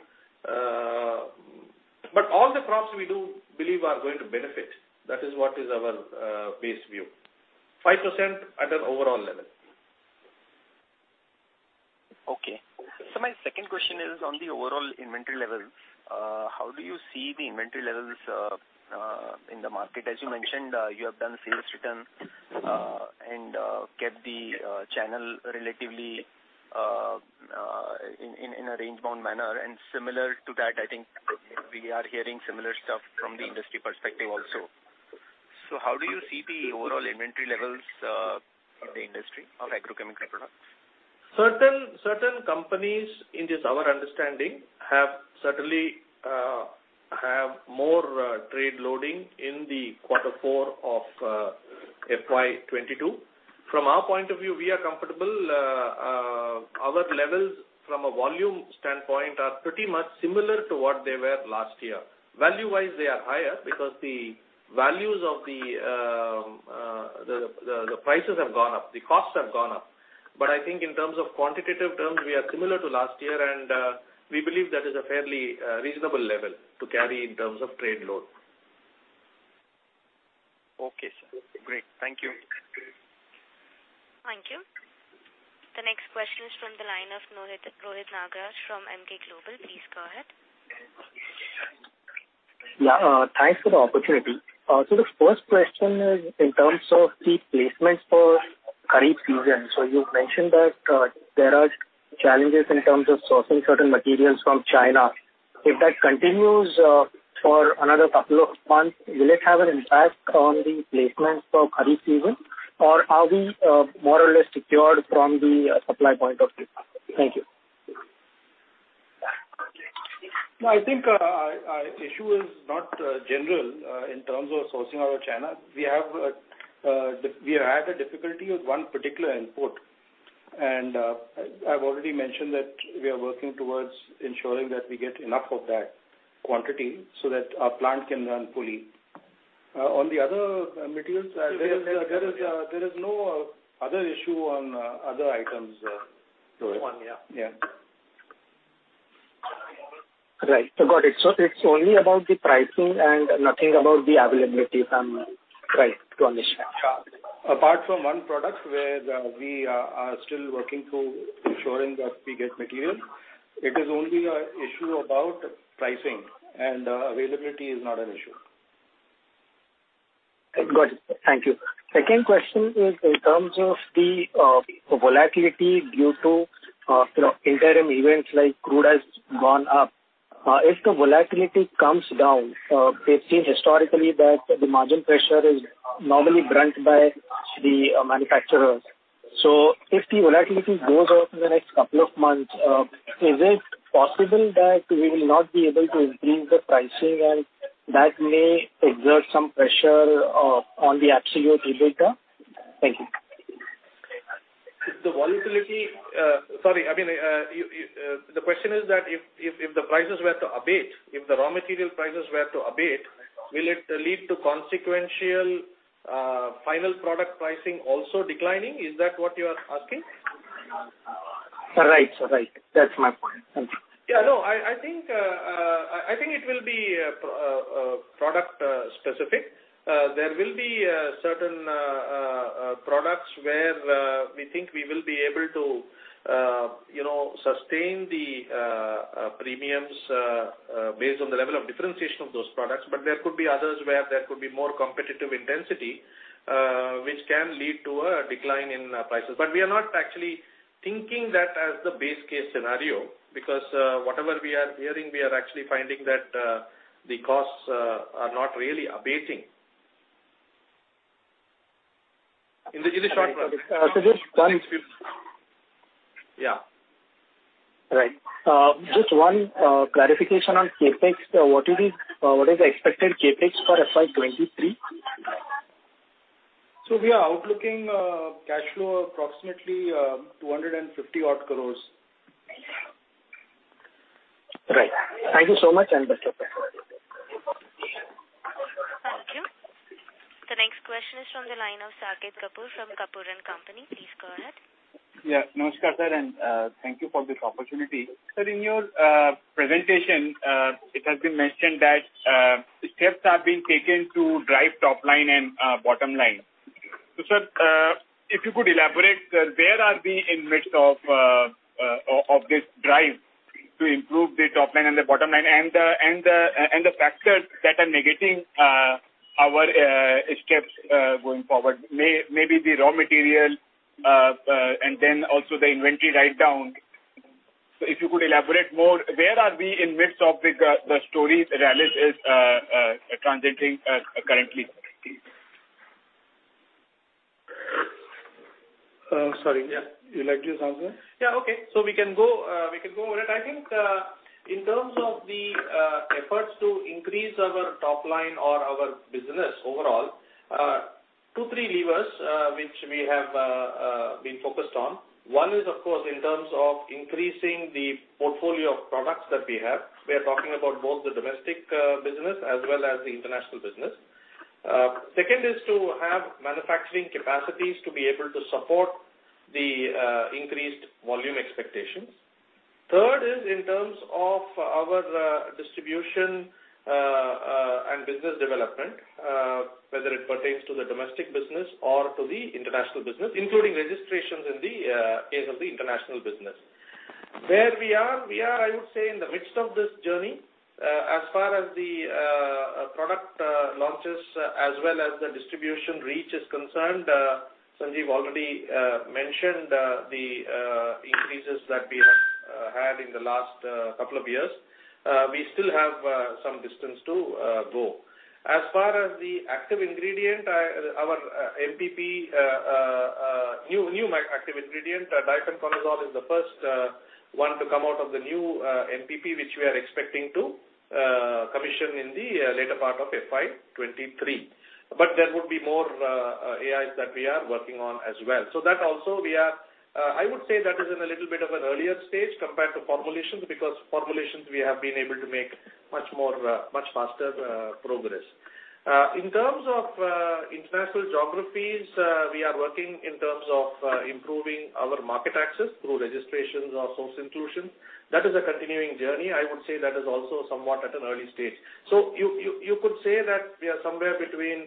All the crops we do believe are going to benefit. That is what is our base view. 5% at an overall level. Okay. My second question is on the overall inventory level. How do you see the inventory levels in the market? As you mentioned, you have done sales return and kept the channel relatively in a range bound manner. Similar to that, I think we are hearing similar stuff from the industry perspective also. How do you see the overall inventory levels in the industry of agrochemical products? Certain companies, it is our understanding, have more trade loading in quarter four of FY 2022. From our point of view, we are comfortable. Our levels from a volume standpoint are pretty much similar to what they were last year. Value-wise, they are higher because the values of the prices have gone up, the costs have gone up. I think in terms of quantitative terms, we are similar to last year, and we believe that is a fairly reasonable level to carry in terms of trade load. Okay, sir. Great. Thank you. Thank you. The next question is from the line of Rohit Nagraj from Emkay Global. Please go ahead. Yeah, thanks for the opportunity. The first question is in terms of the placements for Kharif season. You've mentioned that, there are challenges in terms of sourcing certain materials from China. If that continues, for another couple of months, will it have an impact on the placements for Kharif season? Or are we, more or less secured from the supply point of view? Thank you. No, I think issue is not general in terms of sourcing out of China. We have had a difficulty with one particular input, and I've already mentioned that we are working towards ensuring that we get enough of that quantity so that our plant can run fully. On the other materials, there is no other issue on other items. Right. Got it. It's only about the pricing and nothing about the availability from price to understand. Apart from one product where we are still working to ensuring that we get material, it is only an issue about pricing and availability is not an issue. Got it. Thank you. Second question is in terms of the volatility due to you know, interim events like crude has gone up. If the volatility comes down, we've seen historically that the margin pressure is normally borne by the manufacturers. So if the volatility goes up in the next couple of months, is it possible that we will not be able to increase the pricing and that may exert some pressure on the absolute EBITDA? Thank you. The question is that if the prices were to abate, if the raw material prices were to abate, will it lead to consequential final product pricing also declining? Is that what you are asking? Right. That's my point. Thank you. Yeah, no. I think it will be product specific. There will be certain products where we think we will be able to you know sustain the premiums based on the level of differentiation of those products. But there could be others where there could be more competitive intensity, which can lead to a decline in prices. But we are not actually thinking that as the base case scenario, because whatever we are hearing, we are actually finding that the costs are not really abating. In the short run. Sanjiv. Right. Just one clarification on CapEx. What is the expected CapEx for FY 2023? We are looking at cash flow approximately 250 crores-odd. Right. Thank you so much and best of luck. Thank you. The next question is from the line of Saket Kapoor from Kapoor and Company. Please go ahead. Yeah. Namaskar, sir, and thank you for this opportunity. Sir, in your presentation, it has been mentioned that steps are being taken to drive top line and bottom line. Sir, if you could elaborate, where are we in the midst of this drive to improve the top line and the bottom line and the factors that are negating our steps going forward? Maybe the raw material and then also the inventory write down. If you could elaborate more, where are we in the midst of the stories Rallis is transitioning currently? Sorry. You'd like to answer? Yeah, okay. We can go over it. I think, in terms of the efforts to increase our top line or our business overall, two, three levers, which we have been focused on. One is, of course, in terms of increasing the portfolio of products that we have. We are talking about both the domestic business as well as the international business. Second is to have manufacturing capacities to be able to support the increased volume expectations. Third is in terms of our distribution and business development, whether it pertains to the domestic business or to the international business, including registrations in the case of the international business. Where we are, I would say, in the midst of this journey. As far as the product launches as well as the distribution reach is concerned, Sanjiv already mentioned the increases that we have had in the last couple of years. We still have some distance to go. As far as the active ingredient, our MPP new active ingredient azoxystrobin is the first one to come out of the new MPP, which we are expecting to commission in the later part of FY 2023. There would be more AIs that we are working on as well. That also is in a little bit of an earlier stage compared to formulations, because formulations we have been able to make much faster progress. In terms of international geographies, we are working in terms of improving our market access through registrations or source inclusion. That is a continuing journey. I would say that is also somewhat at an early stage. You could say that we are somewhere between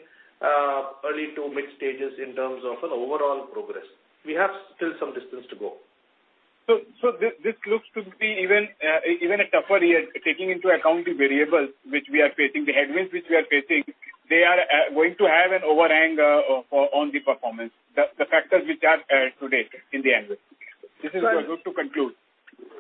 early to mid stages in terms of an overall progress. We have still some distance to go. This looks to be even a tougher year, taking into account the variables which we are facing, the headwinds which we are facing. They are going to have an overhang on the performance. The factors which are today in the annual. This is good to conclude.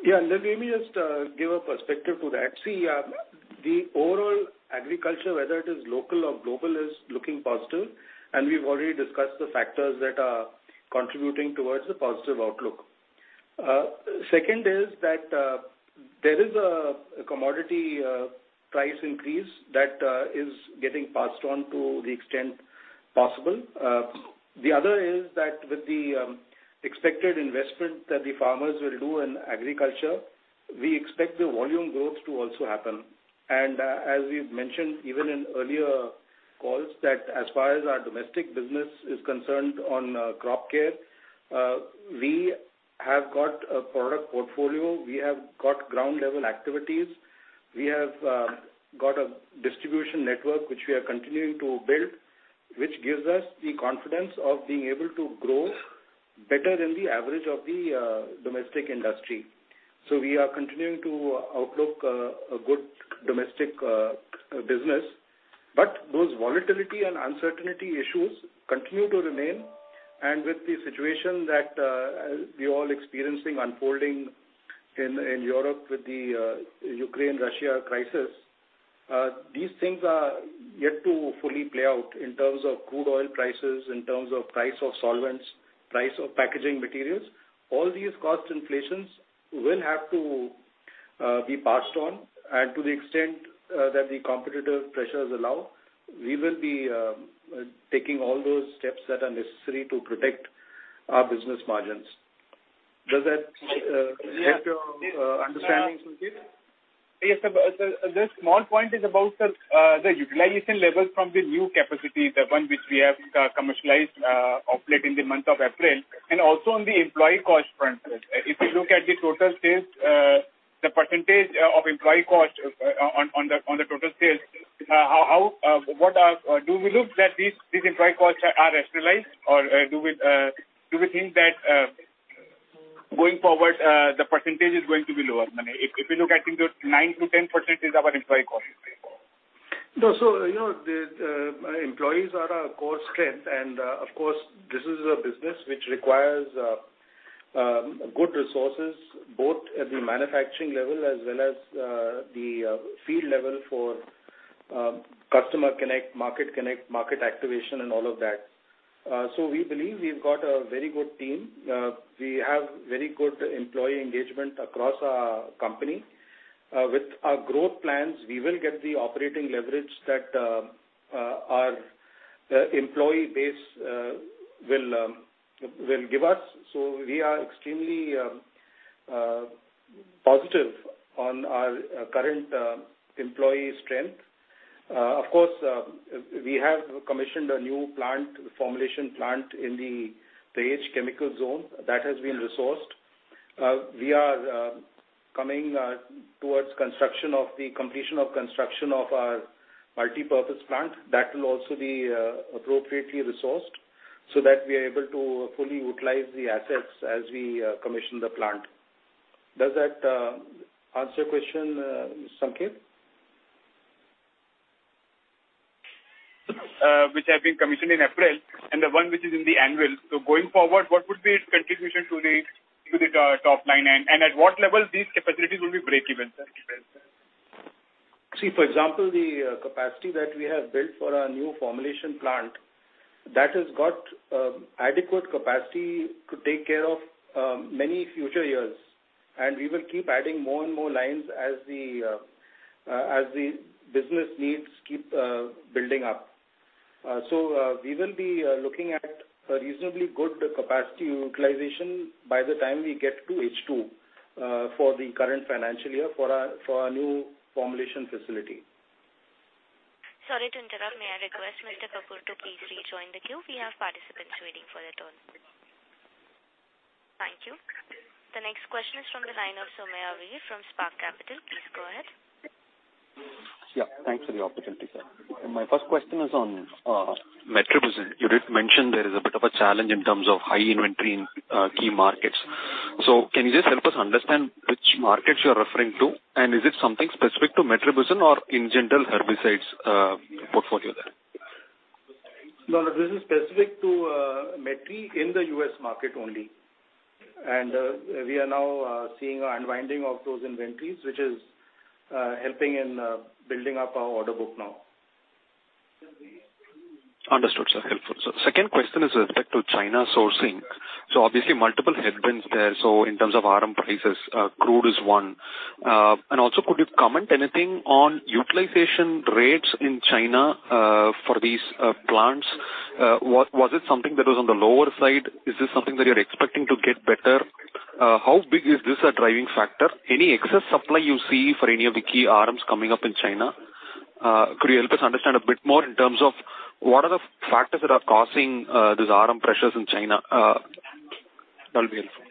Yeah. Let me just give a perspective to that. See, the overall agriculture, whether it is local or global, is looking positive, and we've already discussed the factors that are contributing towards the positive outlook. Second is that, there is a commodity price increase that is getting passed on to the extent possible. The other is that with the expected investment that the farmers will do in agriculture, we expect the volume growth to also happen. As we've mentioned, even in earlier calls, that as far as our domestic business is concerned on crop care, we have got a product portfolio, we have got ground level activities, we have got a distribution network which we are continuing to build, which gives us the confidence of being able to grow better than the average of the domestic industry. We are continuing to outlook a good domestic business. Those volatility and uncertainty issues continue to remain. With the situation that we all experiencing unfolding in Europe with the Ukraine-Russia crisis, these things are yet to fully play out in terms of crude oil prices, in terms of price of solvents, price of packaging materials. All these cost inflations will have to be passed on. To the extent that the competitive pressures allow, we will be taking all those steps that are necessary to protect our business margins. Does that help your understanding, Saket? Yes. The small point is about the utilization levels from the new capacity, the one which we have commercialized of late in the month of April, and also on the employee cost front. If you look at the total sales, the percentage of employee cost on the total sales, do we look that these employee costs are rationalized? Or, do we think that, going forward, the percentage is going to be lower? I mean, if you look at, I think 9%-10% is our employee cost right now. No. So you know, the employees are our core strength. Of course, this is a business which requires good resources, both at the manufacturing level as well as the field level for customer connect, market connect, market activation and all of that. We believe we've got a very good team. We have very good employee engagement across our company. With our growth plans, we will get the operating leverage that our employee base will give us. We are extremely positive on our current employee strength. Of course, we have commissioned a new plant, the formulation plant in the Dahej Chemical Zone. That has been resourced. We are coming towards completion of construction of our multipurpose plant. That will also be appropriately resourced so that we are able to fully utilize the assets as we commission the plant. Does that answer your question, Saket? Which have been commissioned in April and the one which is in the anvil. Going forward, what would be its contribution to the top line? At what level these capacities will be breakeven, sir? See, for example, the capacity that we have built for our new formulation plant, that has got adequate capacity to take care of many future years. We will keep adding more and more lines as the business needs keep building up. We will be looking at a reasonably good capacity utilization by the time we get to H2 for the current financial year for our new formulation facility. Sorry to interrupt. May I request Mr. Kapoor to please rejoin the queue. We have participants waiting for their turn. Thank you. The next question is from the line of Somaiah V from Spark Capital. Please go ahead. Yeah, thanks for the opportunity, sir. My first question is on metribuzin. You did mention there is a bit of a challenge in terms of high inventory in key markets. Can you just help us understand which markets you are referring to? And is it something specific to metribuzin or in general herbicides portfolio there? No, this is specific to Metri in the U.S. market only. We are now seeing an unwinding of those inventories, which is helping in building up our order book now. Understood, sir. Helpful. Second question is with respect to China sourcing. Obviously multiple headwinds there, so in terms of RM prices, crude is one. And also could you comment anything on utilization rates in China, for these plants? Was it something that was on the lower side? Is this something that you're expecting to get better? How big is this a driving factor? Any excess supply you see for any of the key RMs coming up in China, could you help us understand a bit more in terms of what are the factors that are causing these RM pressures in China? That'll be helpful.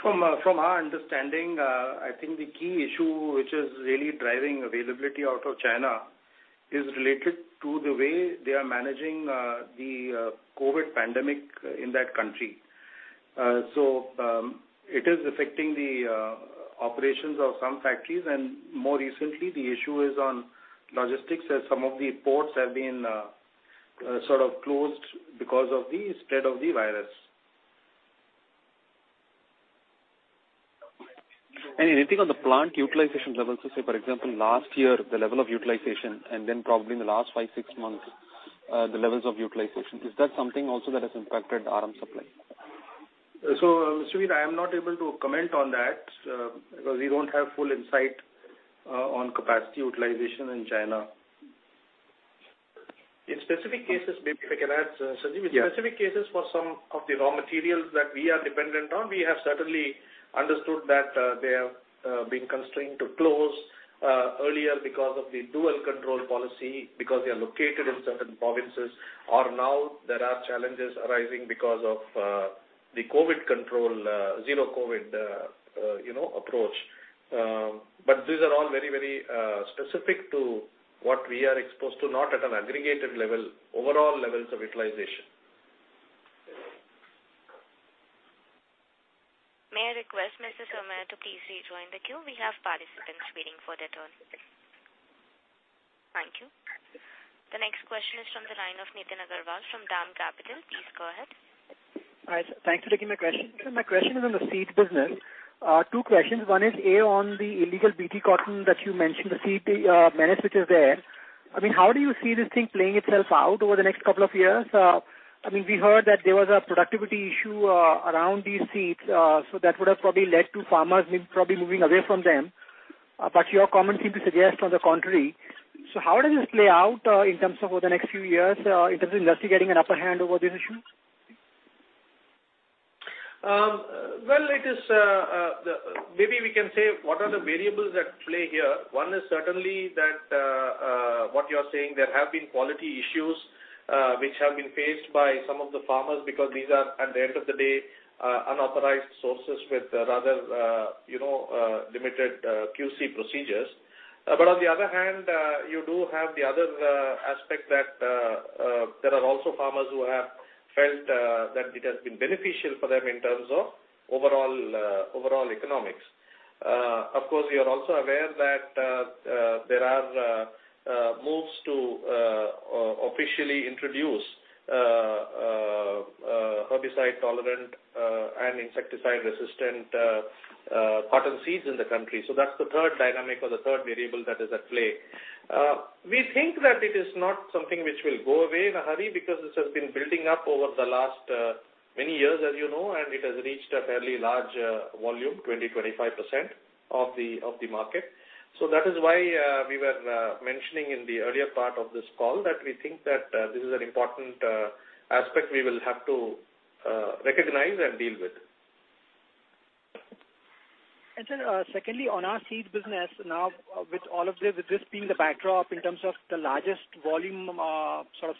From our understanding, I think the key issue which is really driving availability out of China is related to the way they are managing the COVID pandemic in that country. It is affecting the operations of some factories, and more recently the issue is on logistics as some of the ports have been sort of closed because of the spread of the virus. Anything on the plant utilization levels? Let's say for example, last year, the level of utilization and then probably in the last five, six months, the levels of utilization. Is that something also that has impacted RM supply? Somaiah, I am not able to comment on that, because we don't have full insight on capacity utilization in China. In specific cases, maybe if I can add, Sanjiv. Yeah. In specific cases for some of the raw materials that we are dependent on, we have certainly understood that, they have been constrained to close earlier because of the dual control policy, because they are located in certain provinces or now there are challenges arising because of the COVID control, zero COVID, you know, approach. But these are all very, very specific to what we are exposed to, not at an aggregated level, overall levels of utilization. May I request Mr. Somaiah to please rejoin the queue. We have participants waiting for their turn. Thank you. The next question is from the line of Nitin Agarwal from DAM Capital. Please go ahead. All right. Thank you for taking my question. My question is on the seeds business. Two questions. One is, A, on the illegal BT cotton that you mentioned, the seed, menace which is there. I mean, how do you see this thing playing itself out over the next couple of years? I mean, we heard that there was a productivity issue around these seeds, so that would have probably led to farmers probably moving away from them. Your comments seem to suggest on the contrary. How does this play out, in terms of over the next few years, in terms of industry getting an upper hand over these issues? Well, it is. Maybe we can say what are the variables at play here. One is certainly that, what you're saying, there have been quality issues which have been faced by some of the farmers because these are, at the end of the day, unauthorized sources with rather, you know, limited QC procedures. On the other hand, you do have the other aspect that there are also farmers who have felt that it has been beneficial for them in terms of overall economics. Of course, we are also aware that there are moves to officially introduce herbicide tolerant and insecticide resistant cotton seeds in the country. That's the third dynamic or the third variable that is at play. We think that it is not something which will go away in a hurry because this has been building up over the last many years as you know, and it has reached a fairly large volume, 20%-25% of the market. That is why we were mentioning in the earlier part of this call that we think that this is an important aspect we will have to recognize and deal with. Sir, secondly, on our seeds business now with all of this, with this being the backdrop in terms of the largest volume sort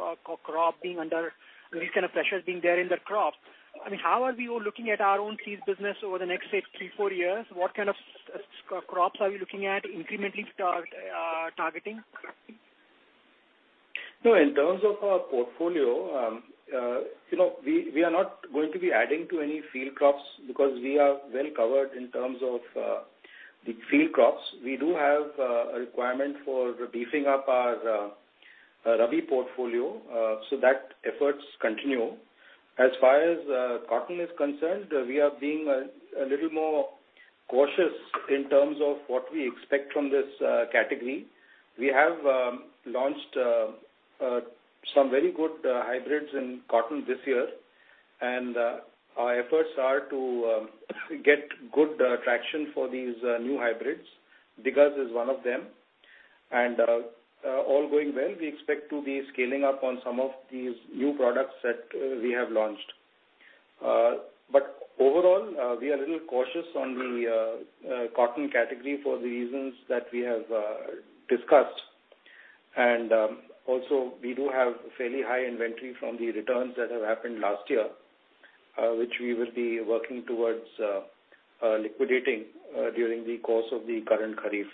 of crop being under these kind of pressures being there in the crops, I mean, how are we all looking at our own seeds business over the next, say, three-four years? What kind of such crops are we looking at incrementally starting targeting? No, in terms of our portfolio, you know, we are not going to be adding to any field crops because we are well covered in terms of the field crops. We do have a requirement for beefing up our Rabi portfolio, so that efforts continue. As far as cotton is concerned, we are being a little more cautious in terms of what we expect from this category. We have launched some very good hybrids in cotton this year, and our efforts are to get good traction for these new hybrids. Diggaz is one of them. All going well, we expect to be scaling up on some of these new products that we have launched. Overall, we are a little cautious on the cotton category for the reasons that we have discussed. Also, we do have fairly high inventory from the returns that have happened last year, which we will be working towards liquidating during the course of the current Kharif.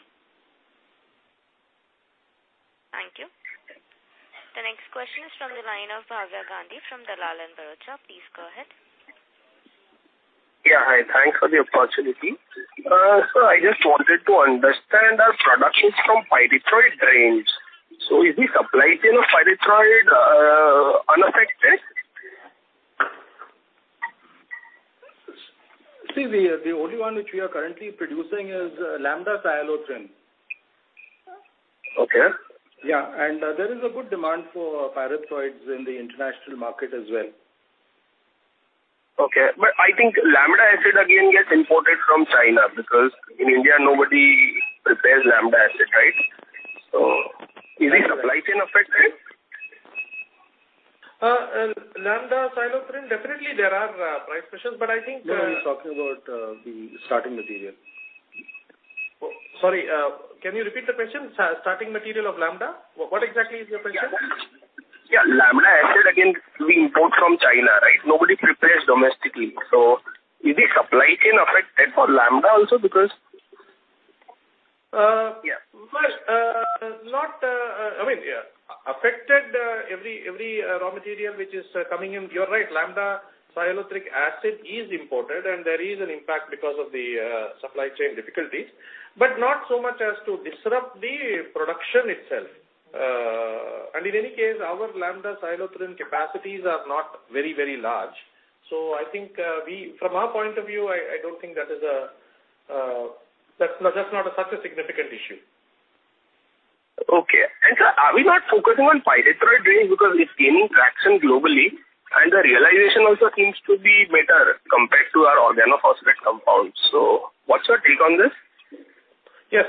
Thank you. The next question is from the line of Bhavya Gandhi from Dalal & Broacha. Please go ahead. Hi. Thanks for the opportunity. I just wanted to understand our production from pyrethroid range. Is the supply chain of pyrethroid unaffected? See, the only one which we are currently producing is Lambda-Cyhalothrin. Okay. Yeah. There is a good demand for pyrethroids in the international market as well. Okay. I think Lambda acid again gets imported from China because in India, nobody prepares Lambda acid, right? Is the supply chain affected? Lambda-Cyhalothrin, definitely there are price pressures, but I think, no, he's talking about the starting material. Oh, sorry. Can you repeat the question? Starting material of Lambda? What exactly is your question? Yeah. Lambda acid again, we import from China, right? Nobody prepares domestically. Is the supply chain affected for Lambda also because-- I mean, yeah, affected every raw material which is coming in. You're right, lambda-cyhalothrin acid is imported, and there is an impact because of the supply chain difficulties, but not so much as to disrupt the production itself. In any case, our Lambda-Cyhalothrin capacities are not very large. I think, from our point of view, I don't think that is, that's not such a significant issue. Okay. Are we not focusing on pyrethroid range because it's gaining traction globally and the realization also seems to be better compared to our organophosphate compounds? What's your take on this? Yes.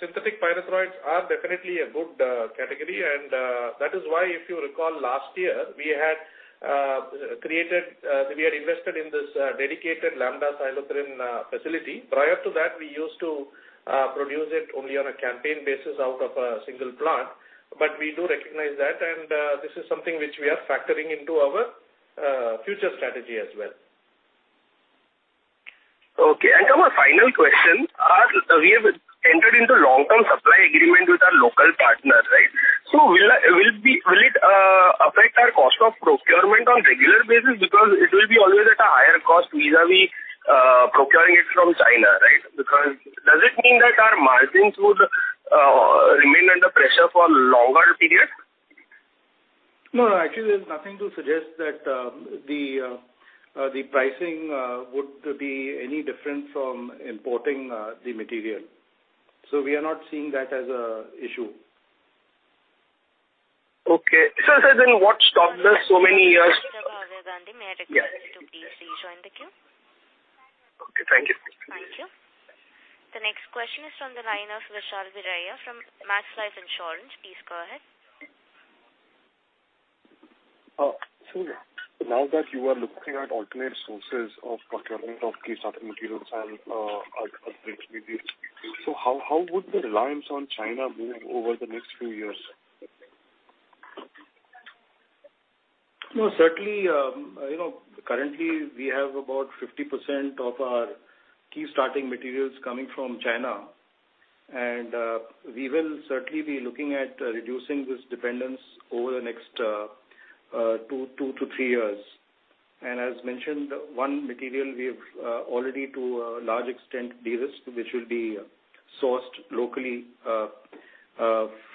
Synthetic pyrethroids are definitely a good category. That is why, if you recall last year, we had invested in this dedicated Lambda-Cyhalothrin facility. Prior to that, we used to produce it only on a campaign basis out of a single plant. We do recognize that, and this is something which we are factoring into our future strategy as well. Okay. Our final question. We have entered into long-term supply agreement with our local partners, right? So will it affect our cost of procurement on regular basis? Because it will be always at a higher cost vis-a-vis procuring it from China, right? Because does it mean that our margins would remain under pressure for longer period? No, actually, there's nothing to suggest that the pricing would be any different from importing the material. We are not seeing that as an issue. Okay. Sir, then what stopped us so many years? Mr. Bhavya Gandhi, may I request you to please rejoin the queue? Okay. Thank you. Thank you. The next question is from the line of Vishal Biraia from Max Life Insurance. Please go ahead. Now that you are looking at alternate sources of procurement of key starting materials and other intermediates, how would the reliance on China move over the next few years? No, certainly, you know, currently we have about 50% of our key starting materials coming from China. We will certainly be looking at reducing this dependence over the next two-three years. As mentioned, one material we have already to a large extent de-risked, which will be sourced locally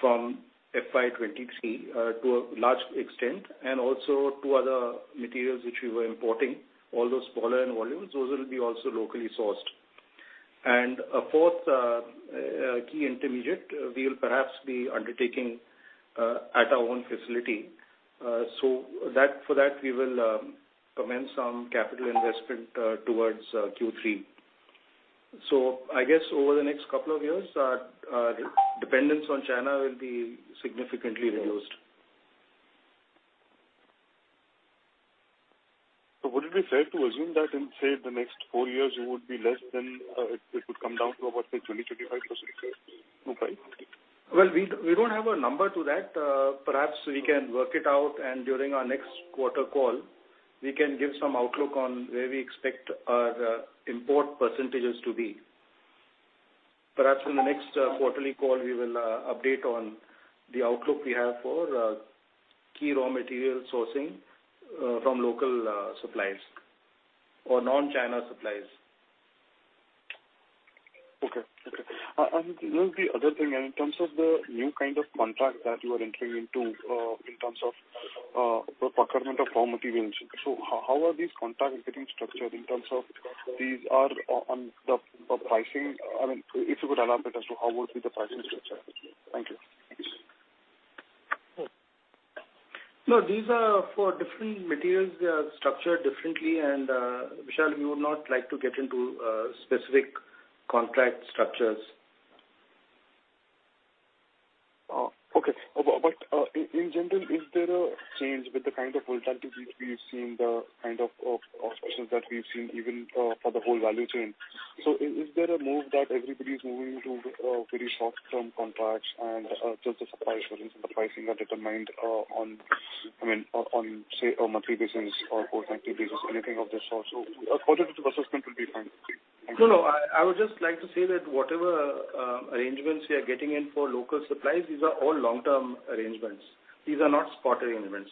from FY 2023 to a large extent, and also two other materials which we were importing, although smaller in volumes, those will be also locally sourced. A fourth key intermediate, we will perhaps be undertaking at our own facility. For that, we will commence some capital investment towards Q3. I guess over the next couple of years, our dependence on China will be significantly reduced. Would it be fair to assume that in, say, the next four years it would be less than it would come down to about, say, 20%-25% roughly? Well, we don't have a number to that. Perhaps we can work it out, and during our next quarter call, we can give some outlook on where we expect our import percentages to be. Perhaps in the next quarterly call, we will update on the outlook we have for key raw material sourcing from local suppliers or non-China suppliers. Okay. One of the other thing, in terms of the new kind of contract that you are entering into, in terms of procurement of raw materials. How are these contracts getting structured in terms of these are on the pricing? I mean, if you could elaborate as to how would be the pricing structure. Thank you. No, these are for different materials. They are structured differently. Vishal, we would not like to get into specific contract structures. Okay. In general, is there a change with the kind of volatility which we've seen, the kind of disruptions that we've seen even for the whole value chain? Is there a move that everybody's moving to very short-term contracts and just the supply assurance and the pricing are determined on, I mean, on say, a monthly basis or fortnightly basis, anything of that sort? A positive assessment will be fine. No, no. I would just like to say that whatever arrangements we are getting in for local supplies, these are all long-term arrangements. These are not spot arrangements.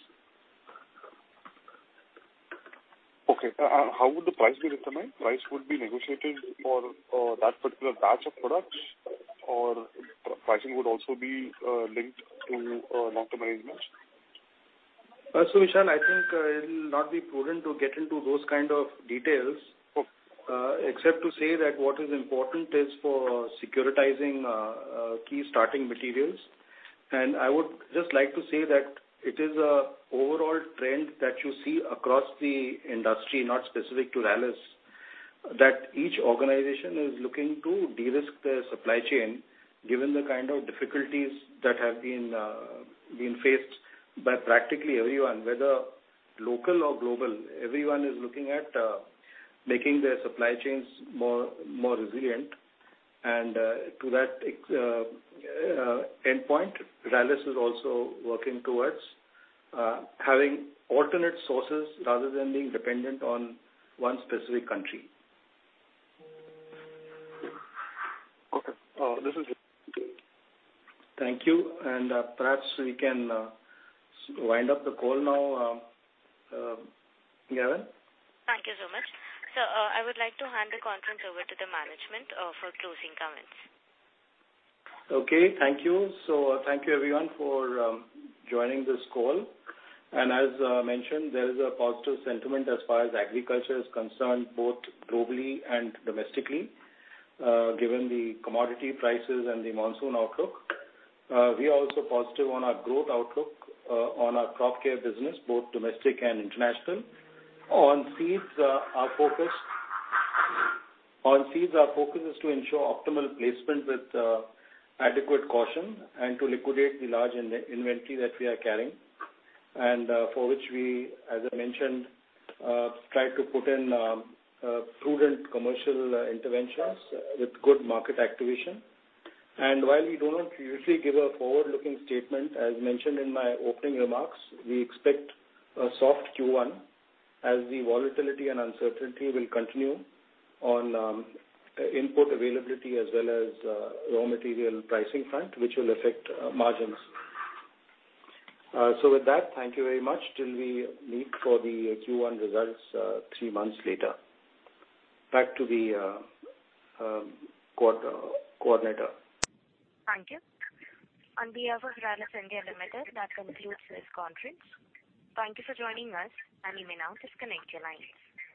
Okay. How would the price be determined? Price would be negotiated for that particular batch of products, or pricing would also be linked to long-term arrangements? Vishal, I think it'll not be prudent to get into those kind of details. Okay. Except to say that what is important is for securing key starting materials. I would just like to say that it is an overall trend that you see across the industry, not specific to Rallis, that each organization is looking to de-risk their supply chain, given the kind of difficulties that have been faced by practically everyone, whether local or global. Everyone is looking at making their supply chains more resilient. To that extent, Rallis is also working towards having alternate sources rather than being dependent on one specific country. Okay. This is it. Thank you. Perhaps we can wind up the call now, Gavin. Thank you so much. I would like to hand the conference over to the management for closing comments. Okay. Thank you. Thank you everyone for joining this call. As mentioned, there is a positive sentiment as far as agriculture is concerned, both globally and domestically, given the commodity prices and the monsoon outlook. We are also positive on our growth outlook on our crop care business, both domestic and international. On seeds, our focus is to ensure optimal placement with adequate caution and to liquidate the large inventory that we are carrying, and for which we, as I mentioned, try to put in prudent commercial interventions with good market activation. While we do not usually give a forward-looking statement, as mentioned in my opening remarks, we expect a soft Q1 as the volatility and uncertainty will continue on import availability as well as raw material pricing front, which will affect margins. With that, thank you very much. Till we meet for the Q1 results, three months later. Back to the coordinator. Thank you. On behalf of Rallis India Limited, that concludes this conference. Thank you for joining us, and you may now disconnect your lines.